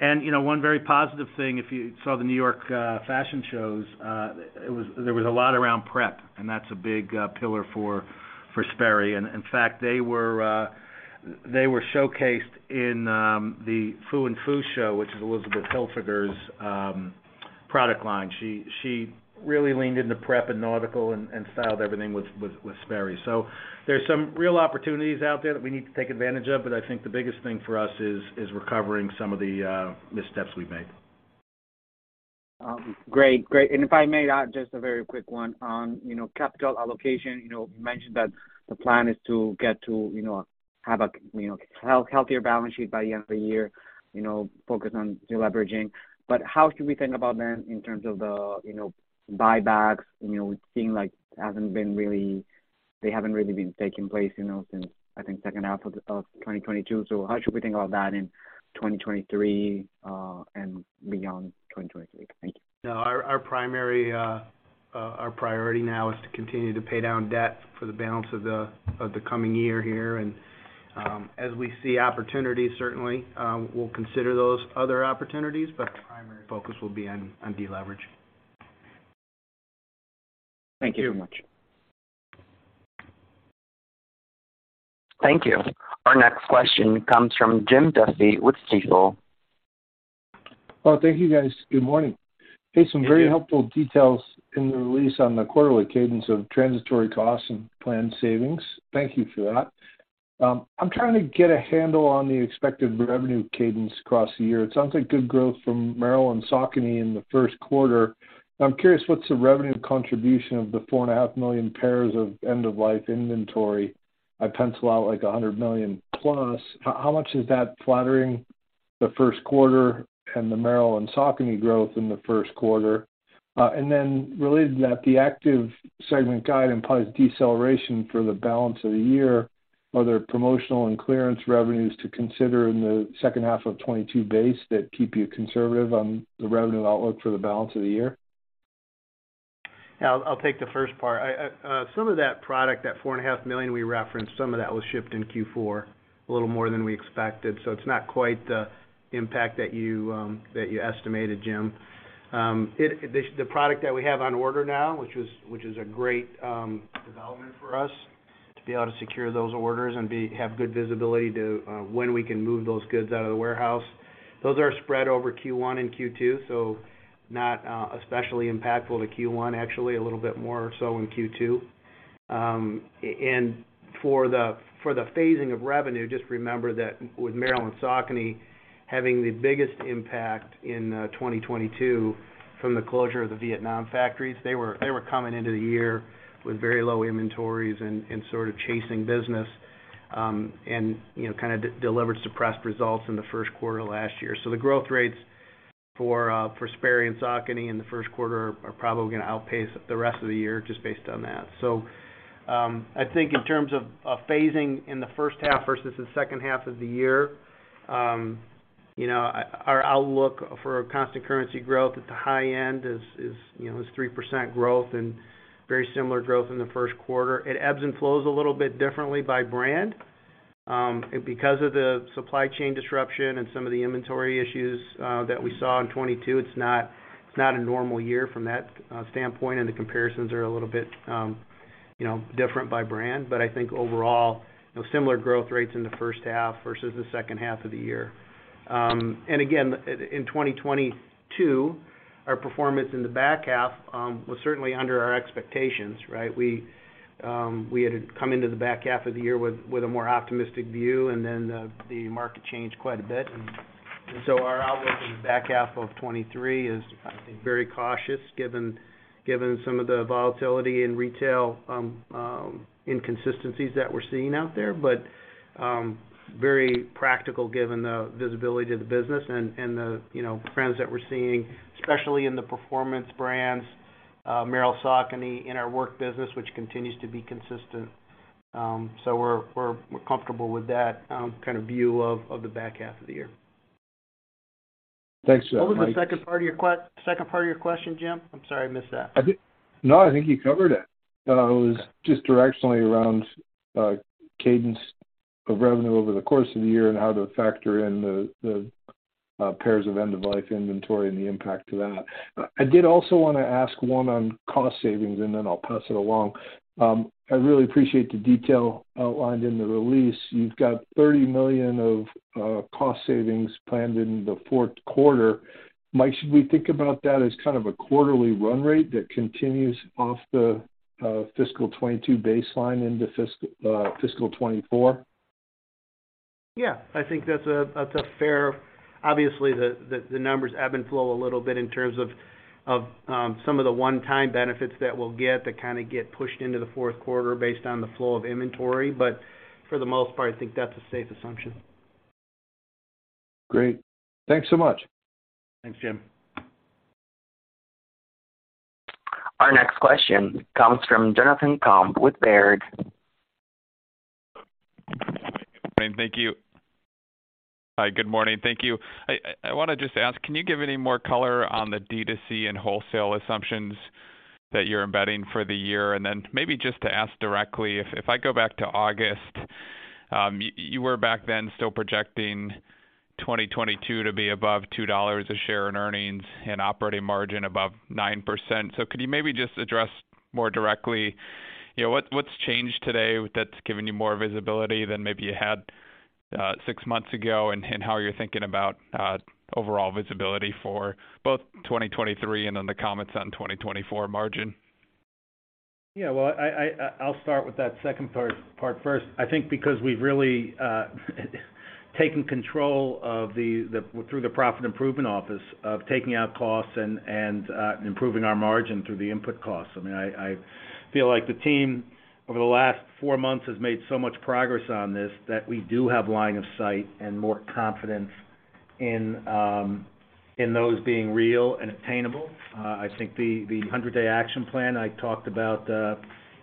You know, one very positive thing, if you saw the New York fashion shows, there was a lot around prep, and that's a big pillar for Sperry. In fact, they were showcased in the Foo and Foo show, which is Elizabeth Hilfiger's product line. She really leaned into prep and nautical and styled everything with Sperry. There's some real opportunities out there that we need to take advantage of, but I think the biggest thing for us is recovering some of the missteps we've made. Great. Great. If I may add just a very quick one on, you know, capital allocation. You know, you mentioned that the plan is to get to, you know, have a, you know, healthier balance sheet by the end of the year, you know, focus on deleveraging. How should we think about then in terms of the, you know, buybacks? You know, it seems like it hasn't really been taking place, you know, since I think second half of 2022. How should we think about that in 2023 and beyond 2023? Thank you. No, our primary, our priority now is to continue to pay down debt for the balance of the coming year here. As we see opportunities, certainly, we'll consider those other opportunities, but the primary focus will be on deleveraging. Thank you very much. Thank you. Our next question comes from Jim Duffy with Stifel. Oh, thank you guys. Good morning. Good day. Some very helpful details in the release on the quarterly cadence of transitory costs and planned savings. Thank you for that. I'm trying to get a handle on the expected revenue cadence across the year. It sounds like good growth from Merrell and Saucony in the first quarter. I'm curious what's the revenue contribution of the 4.5 million pairs of end-of-life inventory. I pencil out like $100 million+. How much is that flattering the first quarter and the Merrell and Saucony growth in the first quarter? Related to that, the active segment guide implies deceleration for the balance of the year. Are there promotional and clearance revenues to consider in the second half of 2022 base that keep you conservative on the revenue outlook for the balance of the year? Yeah. I'll take the first part. I, some of that product, that four and a half million we referenced, some of that was shipped in Q4, a little more than we expected. It's not quite the impact that you estimated, Jim. The product that we have on order now, which is a great development for us to be able to secure those orders and have good visibility to when we can move those goods out of the warehouse. Those are spread over Q1 and Q2, not especially impactful to Q1, actually a little bit more so in Q2. For the phasing of revenue, just remember that with Merrell and Saucony having the biggest impact in 2022 from the closure of the Vietnam factories, they were coming into the year with very low inventories and sort of chasing business, and, you know, kind of de-delivered suppressed results in the first quarter of last year. The growth rates for Sperry and Saucony in the first quarter are probably gonna outpace the rest of the year just based on that. I think in terms of phasing in the first half versus the second half of the year, you know, our outlook for constant currency growth at the high end is, you know, is 3% growth and very similar growth in the first quarter. It ebbs and flows a little bit differently by brand. Because of the supply chain disruption and some of the inventory issues that we saw in 2022, it's not, it's not a normal year from that standpoint, and the comparisons are a little bit, you know, different by brand. I think overall, you know, similar growth rates in the first half versus the second half of the year. Again, in 2022, our performance in the back half was certainly under our expectations, right? We had to come into the back half of the year with a more optimistic view, and then the market changed quite a bit. Our outlook in the back half of 2023 is, I think, very cautious given some of the volatility in retail, inconsistencies that we're seeing out there. Very practical given the visibility to the business and the, you know, trends that we're seeing, especially in the performance brands, Merrell, Saucony in our work business, which continues to be consistent. We're comfortable with that kind of view of the back half of the year. Thanks for that, Mike. What was the second part of your question, Jim? I'm sorry, I missed that. I did. No, I think you covered it. It was just directionally around cadence of revenue over the course of the year and how to factor in the pairs of end-of-life inventory and the impact to that. I did also want to ask one on cost savings, and then I'll pass it along. I really appreciate the detail outlined in the release. You've got $30 million of cost savings planned in the fourth quarter. Mike, should we think about that as kind of a quarterly run rate that continues off the fiscal 2022 baseline into fiscal 2024? Yeah. I think that's a fair. Obviously, the numbers ebb and flow a little bit in terms of some of the one-time benefits that we'll get that kinda get pushed into the fourth quarter based on the flow of inventory. For the most part, I think that's a safe assumption. Great. Thanks so much. Thanks, Jim. Our next question comes from Jonathan Komp with Baird. Thank you. Hi. Good morning. Thank you. I wanna just ask, can you give any more color on the D2C and wholesale assumptions that you're embedding for the year? Then maybe just to ask directly, if I go back to August, you were back then still projecting 2022 to be above $2 a share in earnings and operating margin above 9%. Could you maybe just address more directly, you know, what's changed today that's giving you more visibility than maybe you had 6 months ago and how you're thinking about overall visibility for both 2023 and in the comments on 2024 margin? Well, I'll start with that second part first. I think because we've really taken control of through the Profit Improvement Office of taking out costs and improving our margin through the input costs. I mean, I feel like the team over the last four months has made so much progress on this, that we do have line of sight and more confidence in those being real and attainable. I think the 100-day action plan I talked about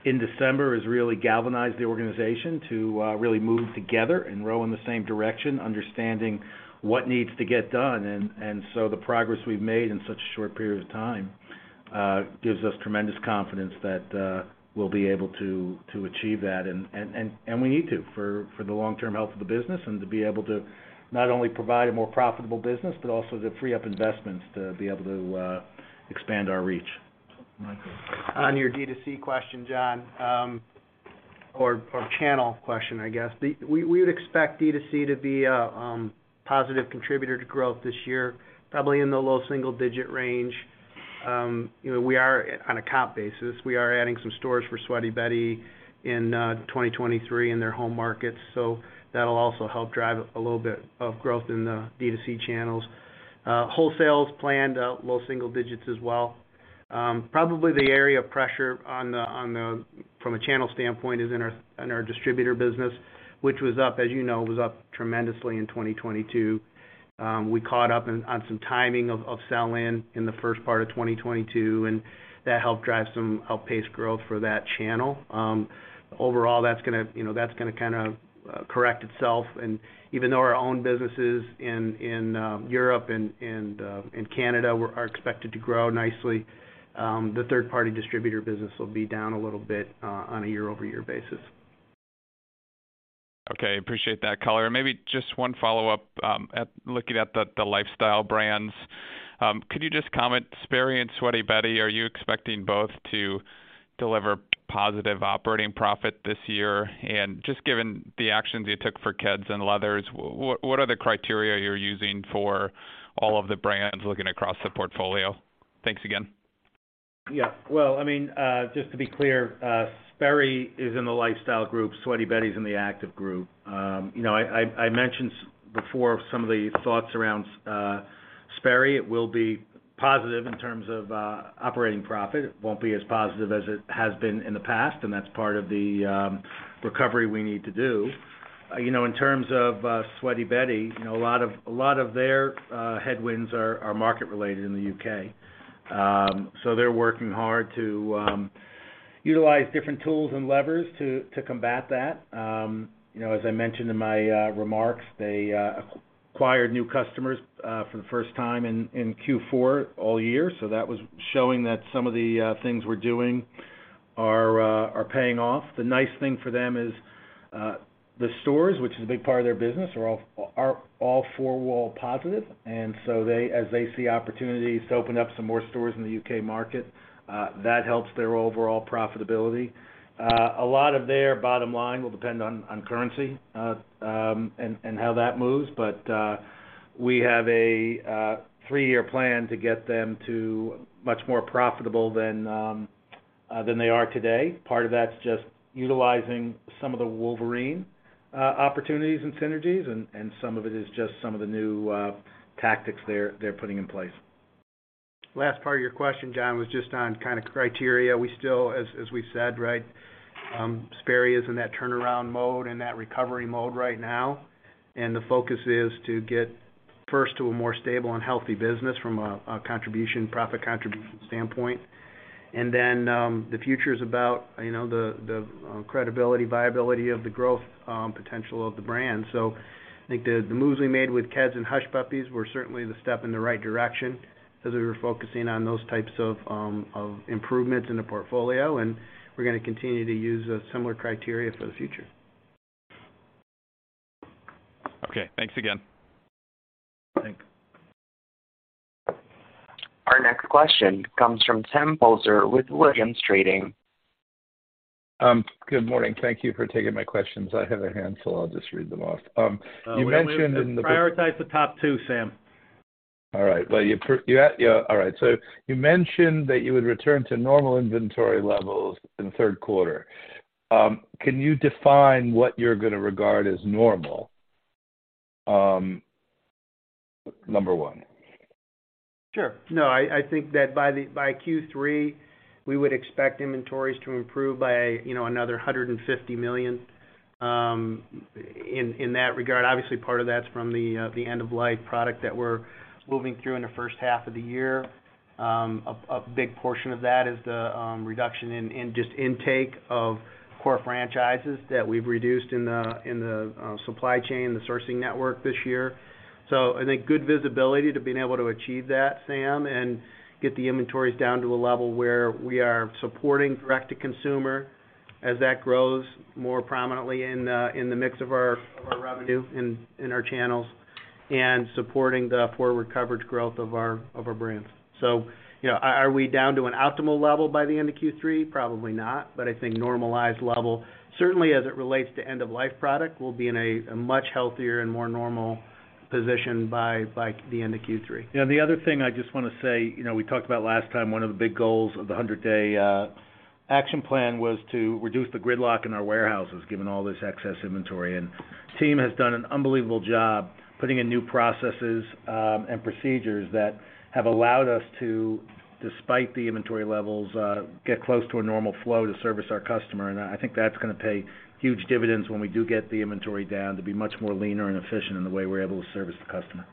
in December has really galvanized the organization to really move together and row in the same direction, understanding what needs to get done. The progress we've made in such a short period of time gives us tremendous confidence that we'll be able to achieve that. We need to for the long-term health of the business and to be able to not only provide a more profitable business, but also to free up investments to be able to expand our reach. On your D2C question, John, or channel question, I guess. We would expect D2C to be a positive contributor to growth this year, probably in the low single-digit range. You know, we are on a comp basis. We are adding some stores for Sweaty Betty in 2023 in their home markets. That'll also help drive a little bit of growth in the D2C channels. Wholesale is planned out low single digits as well. Probably the area of pressure from a channel standpoint is in our distributor business, which was up, as you know, was up tremendously in 2022. We caught up on some timing of sell-in in the first part of 2022, that helped drive some outpaced growth for that channel. Overall, that's gonna, you know, that's gonna kinda, correct itself. Even though our own businesses in Europe and Canada are expected to grow nicely, the third party distributor business will be down a little bit on a year-over-year basis. Okay. Appreciate that color. Maybe just one follow-up, looking at the Lifestyle brands. Could you just comment, Sperry and Sweaty Betty, are you expecting both to deliver positive operating profit this year? Just given the actions you took for Keds and Leathers, what are the criteria you're using for all of the brands looking across the portfolio? Thanks again. Yeah. Well, I mean, just to be clear, Sperry is in the Lifestyle group, Sweaty Betty's in the Active group. You know, I mentioned before some of the thoughts around Sperry. Positive in terms of operating profit. It won't be as positive as it has been in the past, and that's part of the recovery we need to do. You know, in terms of Sweaty Betty, you know, a lot of their headwinds are market-related in the U.K. They're working hard to utilize different tools and levers to combat that. You know, as I mentioned in my remarks, they acquired new customers for the first time in Q4 all year. That was showing that some of the things we're doing are paying off. The nice thing for them is the stores, which is a big part of their business, are all four wall positive. As they see opportunities to open up some more stores in the U.K. market, that helps their overall profitability. A lot of their bottom line will depend on currency and how that moves. We have a three-year plan to get them to much more profitable than they are today. Part of that's just utilizing some of the Wolverine opportunities and synergies, and some of it is just some of the new tactics they're putting in place. Last part of your question, John, was just on kind of criteria. We still, as we've said, right, Sperry is in that turnaround mode and that recovery mode right now. The focus is to get first to a more stable and healthy business from a contribution, profit contribution standpoint. The future is about, you know, the credibility, viability of the growth, potential of the brand. I think the moves we made with Keds and Hush Puppies were certainly the step in the right direction as we were focusing on those types of improvements in the portfolio. We're gonna continue to use a similar criteria for the future. Okay, thanks again. Thanks. Our next question comes from Sam Poser with Williams Trading. Good morning. Thank you for taking my questions. I have a handful, I'll just read them off. You mentioned. Prioritize the top two, Sam. All right. Well, All right. You mentioned that you would return to normal inventory levels in the 3rd quarter. Can you define what you're gonna regard as normal? number one. Sure. No, I think that by Q3, we would expect inventories to improve by, you know, another $150 million in that regard. Obviously, part of that's from the end-of-life product that we're moving through in the first half of the year. A big portion of that is the reduction in just intake of core franchises that we've reduced in the supply chain, the sourcing network this year. I think good visibility to being able to achieve that, Sam, and get the inventories down to a level where we are supporting direct-to-consumer as that grows more prominently in the mix of our revenue in our channels, and supporting the forward coverage growth of our brands. You know, are we down to an optimal level by the end of Q3? Probably not. I think normalized level, certainly as it relates to end-of-life product, we'll be in a much healthier and more normal position by the end of Q3. Yeah, the other thing I just wanna say, you know, we talked about last time, one of the big goals of the 100-day action plan was to reduce the gridlock in our warehouses, given all this excess inventory. The team has done an unbelievable job putting in new processes and procedures that have allowed us to, despite the inventory levels, get close to a normal flow to service our customer. I think that's gonna pay huge dividends when we do get the inventory down to be much more leaner and efficient in the way we're able to service the customer.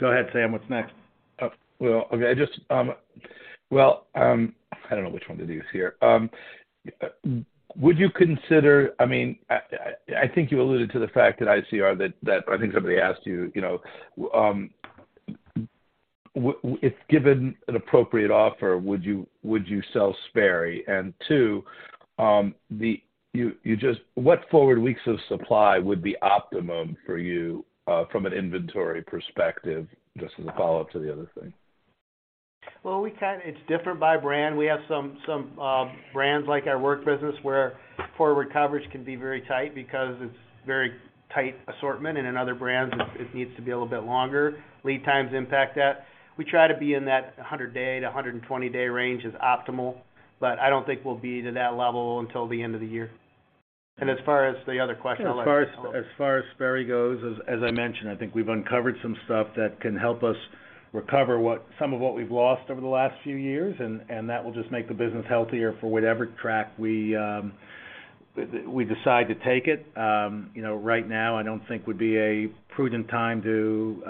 Go ahead, Sam, what's next? I don't know which one to do here. I mean, I think you alluded to the fact at ICR that I think somebody asked you know, If given an appropriate offer, would you, would you sell Sperry? Two, you just what forward weeks of supply would be optimum for you from an inventory perspective? Just as a follow-up to the other thing. Well, it's different by brand. We have some brands like our work business, where forward coverage can be very tight because it's very tight assortment. In other brands, it needs to be a little bit longer. Lead times impact that. We try to be in that 100-day to 120-day range is optimal, but I don't think we'll be to that level until the end of the year. As far as the other question. As far as Sperry goes, as I mentioned, I think we've uncovered some stuff that can help us recover some of what we've lost over the last few years, and that will just make the business healthier for whatever track we decide to take it. You know, right now, I don't think would be a prudent time to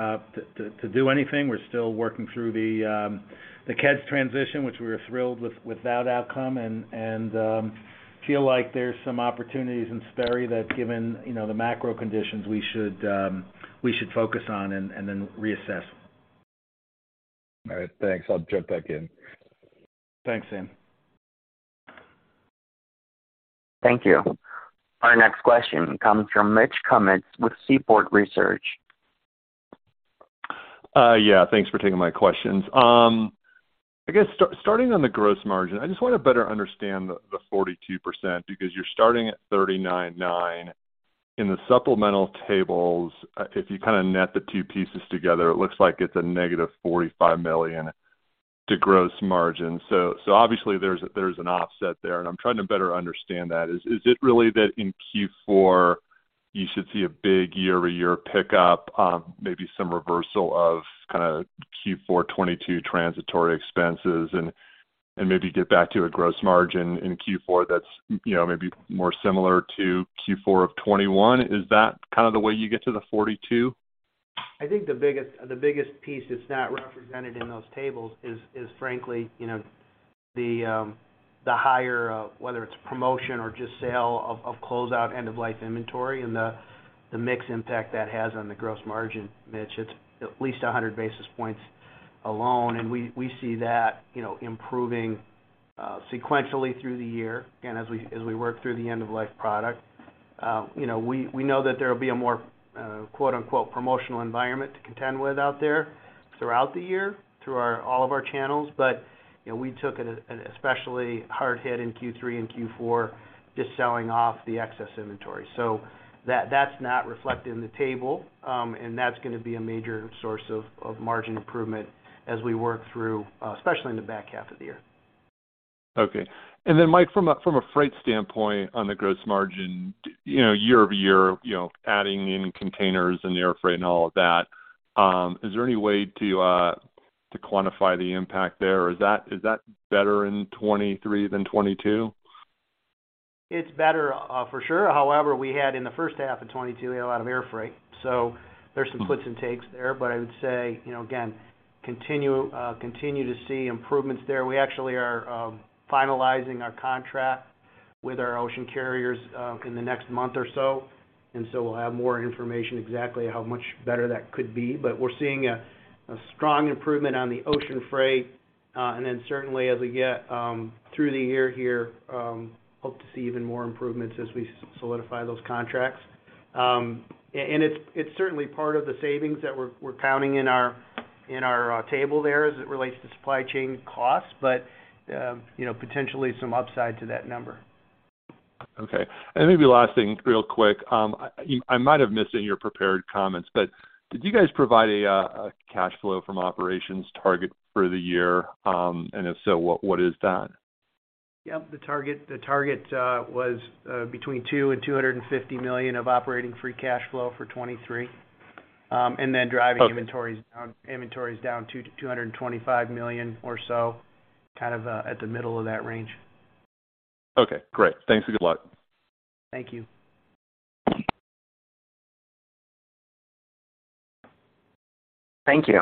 do anything. We're still working through the Keds transition, which we were thrilled with that outcome and feel like there's some opportunities in Sperry that given, you know, the macro conditions we should focus on and then reassess. All right, thanks. I'll jump back in. Thanks, Sam. Thank you. Our next question comes from Mitch Kummetz with Seaport Research. Yeah, thanks for taking my questions. I guess starting on the gross margin, I just wanna better understand the 42% because you're starting at 39.9%. In the supplemental tables, if you kinda net the two pieces together, it looks like it's a -$45 million to gross margin. Obviously there's an offset there, and I'm trying to better understand that. Is it really that in Q4 you should see a big year-over-year pickup, maybe some reversal of kind of Q4 2022 transitory expenses and maybe get back to a gross margin in Q4 that's, you know, maybe more similar to Q4 of 2021? Is that kind of the way you get to the 42%? I think the biggest piece that's not represented in those tables is frankly, you know, the higher, whether it's promotion or just sale of closeout end-of-life inventory and the mix impact that has on the gross margin, Mitch. It's at least 100 basis points alone, and we see that, you know, improving sequentially through the year and as we work through the end-of-life product. You know, we know that there will be a more quote-unquote promotional environment to contend with out there throughout the year through all of our channels. You know, we took an especially hard hit in Q3 and Q4 just selling off the excess inventory. That's not reflected in the table, and that's gonna be a major source of margin improvement as we work through, especially in the back half of the year. Okay. Mike, from a, from a freight standpoint on the gross margin, you know, year-over-year, you know, adding in containers and air freight and all of that, is there any way to quantify the impact there? Or is that better in 2023 than 2022? It's better for sure. However, we had in the first half of 2022, we had a lot of air freight, so there's some gives and takes there. I would say, you know, again, continue to see improvements there. We actually are finalizing our contract with our ocean carriers in the next month or so, and so we'll have more information exactly how much better that could be. We're seeing a strong improvement on the ocean freight. Then certainly as we get through the year here, hope to see even more improvements as we solidify those contracts. It's certainly part of the savings that we're counting in our table there as it relates to supply chain costs, but, you know, potentially some upside to that number. Okay. Maybe last thing real quick. I might have missed it in your prepared comments, but did you guys provide a cash flow from operations target for the year? If so, what is that? Yep. The target was between $200 million and $250 million of operating free cash flow for 2023. Okay. Inventories down to $225 million or so, kind of, at the middle of that range. Okay, great. Thanks, and good luck. Thank you. Thank you.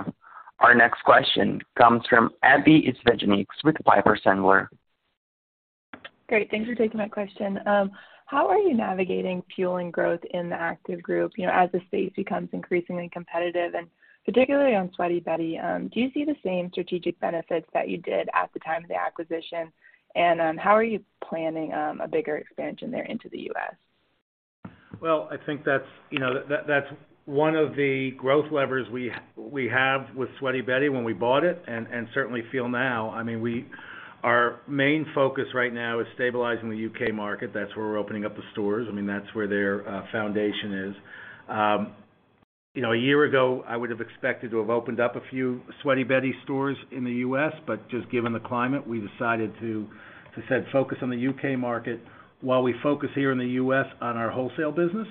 Our next question comes from Abbie Zvejnieks with Piper Sandler. Great. Thanks for taking my question. How are you navigating fueling growth in the active group, you know, as the space becomes increasingly competitive? Particularly on Sweaty Betty, do you see the same strategic benefits that you did at the time of the acquisition? How are you planning a bigger expansion there into the U.S.? I think that's, you know, that's one of the growth levers we have with Sweaty Betty when we bought it and certainly feel now. I mean, our main focus right now is stabilizing the U.K. market. That's where we're opening up the stores. I mean, that's where their foundation is. You know, a year ago, I would have expected to have opened up a few Sweaty Betty stores in the U.S., but just given the climate, we decided to, as I said, focus on the U.K. market while we focus here in the U.S. on our wholesale business.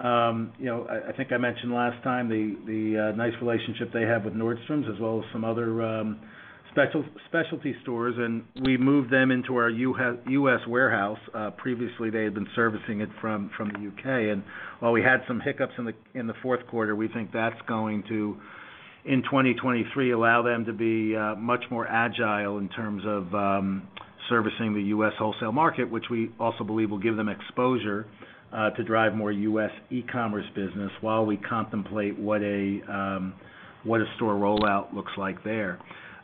You know, I think I mentioned last time the nice relationship they have with Nordstrom as well as some other specialty stores, and we moved them into our U.S. warehouse. Previously they had been servicing it from the U.K.. While we had some hiccups in the fourth quarter, we think that's going to, in 2023, allow them to be much more agile in terms of servicing the U.S. wholesale market, which we also believe will give them exposure to drive more U.S. e-commerce business while we contemplate what a store rollout looks like there.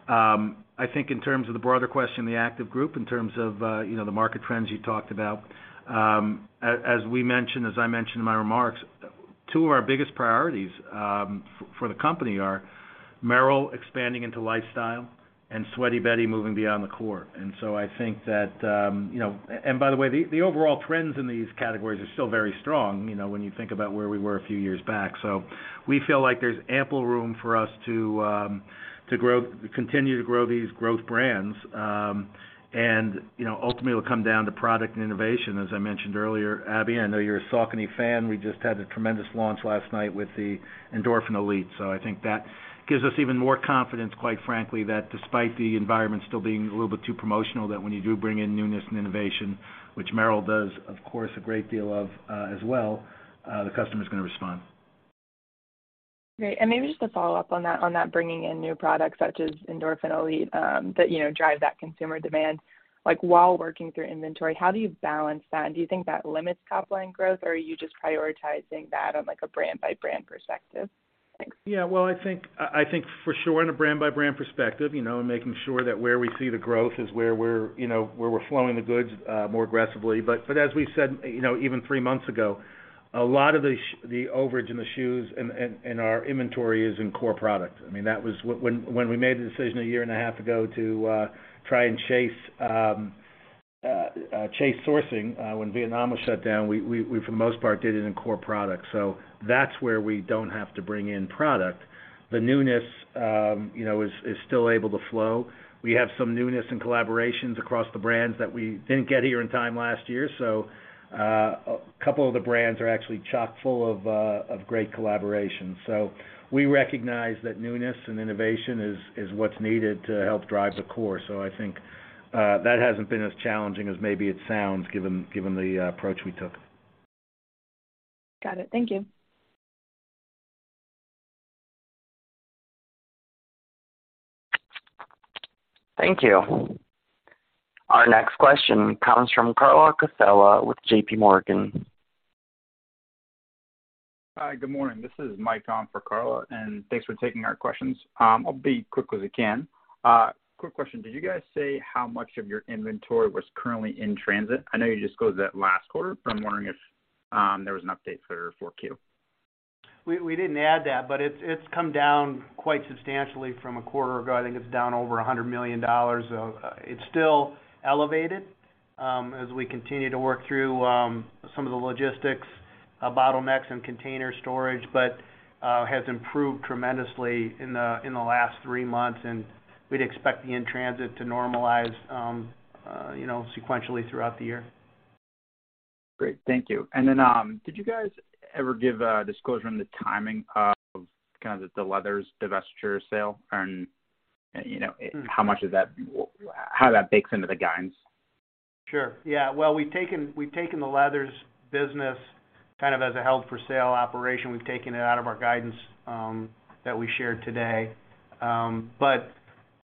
I think in terms of the broader question, the active group, in terms of, you know, the market trends you talked about, as we mentioned, as I mentioned in my remarks, two of our biggest priorities for the company are Merrell expanding into lifestyle and Sweaty Betty moving beyond the core. So I think that, you know... By the way, the overall trends in these categories are still very strong, you know, when you think about where we were a few years back. We feel like there's ample room for us to continue to grow these growth brands. And, you know, ultimately it'll come down to product and innovation, as I mentioned earlier. Abby, I know you're a Saucony fan. We just had a tremendous launch last night with the Endorphin Elite. I think that gives us even more confidence, quite frankly, that despite the environment still being a little bit too promotional, that when you do bring in newness and innovation, which Merrell does, of course, a great deal of, as well, the customer's gonna respond. Great. maybe just a follow-up on that bringing in new products such as Endorphin Elite, that, you know, drive that consumer demand, like while working through inventory, how do you balance that? Do you think that limits top line growth, or are you just prioritizing that on like a brand-by-brand perspective? Thanks. Yeah. Well, I think for sure in a brand-by-brand perspective, you know, and making sure that where we see the growth is where we're, you know, where we're flowing the goods, more aggressively. As we said, you know, even three months ago, a lot of the overage in the shoes and our inventory is in core product. I mean, when we made the decision a year and a half ago to try and chase chase sourcing when Vietnam was shut down, we, for the most part, did it in core products. That's where we don't have to bring in product. The newness, you know, is still able to flow. We have some newness and collaborations across the brands that we didn't get here in time last year, a couple of the brands are actually chock-full of great collaboration. We recognize that newness and innovation is what's needed to help drive the core. I think that hasn't been as challenging as maybe it sounds given the approach we took. Got it. Thank you. Thank you. Our next question comes from Carla Casella with JPMorgan. Hi, good morning. This is Mike on for Carla, thanks for taking our questions. I'll be quick as I can. Quick question. Did you guys say how much of your inventory was currently in transit? I know you just closed it last quarter, but I'm wondering if there was an update for 4Q. We didn't add that, but it's come down quite substantially from a quarter ago. I think it's down over $100 million. It's still elevated, as we continue to work through some of the logistics bottlenecks and container storage, but has improved tremendously in the last three months, and we'd expect the in-transit to normalize, you know, sequentially throughout the year. Great. Thank you. Then, did you guys ever give disclosure on the timing of kinda the leathers divestiture sale and, you know, how that bakes into the guidance? Sure. Yeah. Well, we've taken the Leathers business kind of as a held-for-sale operation. We've taken it out of our guidance that we shared today.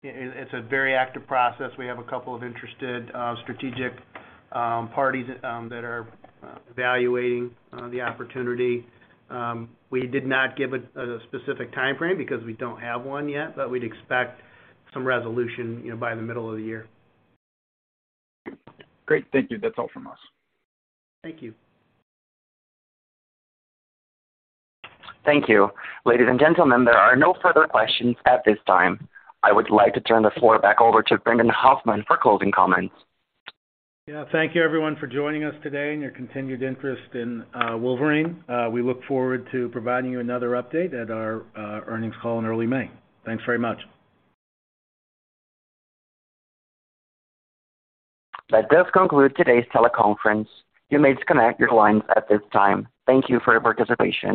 It's a very active process. We have a couple of interested strategic parties that are evaluating the opportunity. We did not give a specific timeframe because we don't have one yet, but we'd expect some resolution, you know, by the middle of the year. Great. Thank you. That's all from us. Thank you. Thank you. Ladies and gentlemen, there are no further questions at this time. I would like to turn the floor back over to Brendan Hoffman for closing comments. Yeah. Thank you everyone for joining us today and your continued interest in Wolverine. We look forward to providing you another update at our earnings call in early May. Thanks very much. That does conclude today's teleconference. You may disconnect your lines at this time. Thank you for your participation.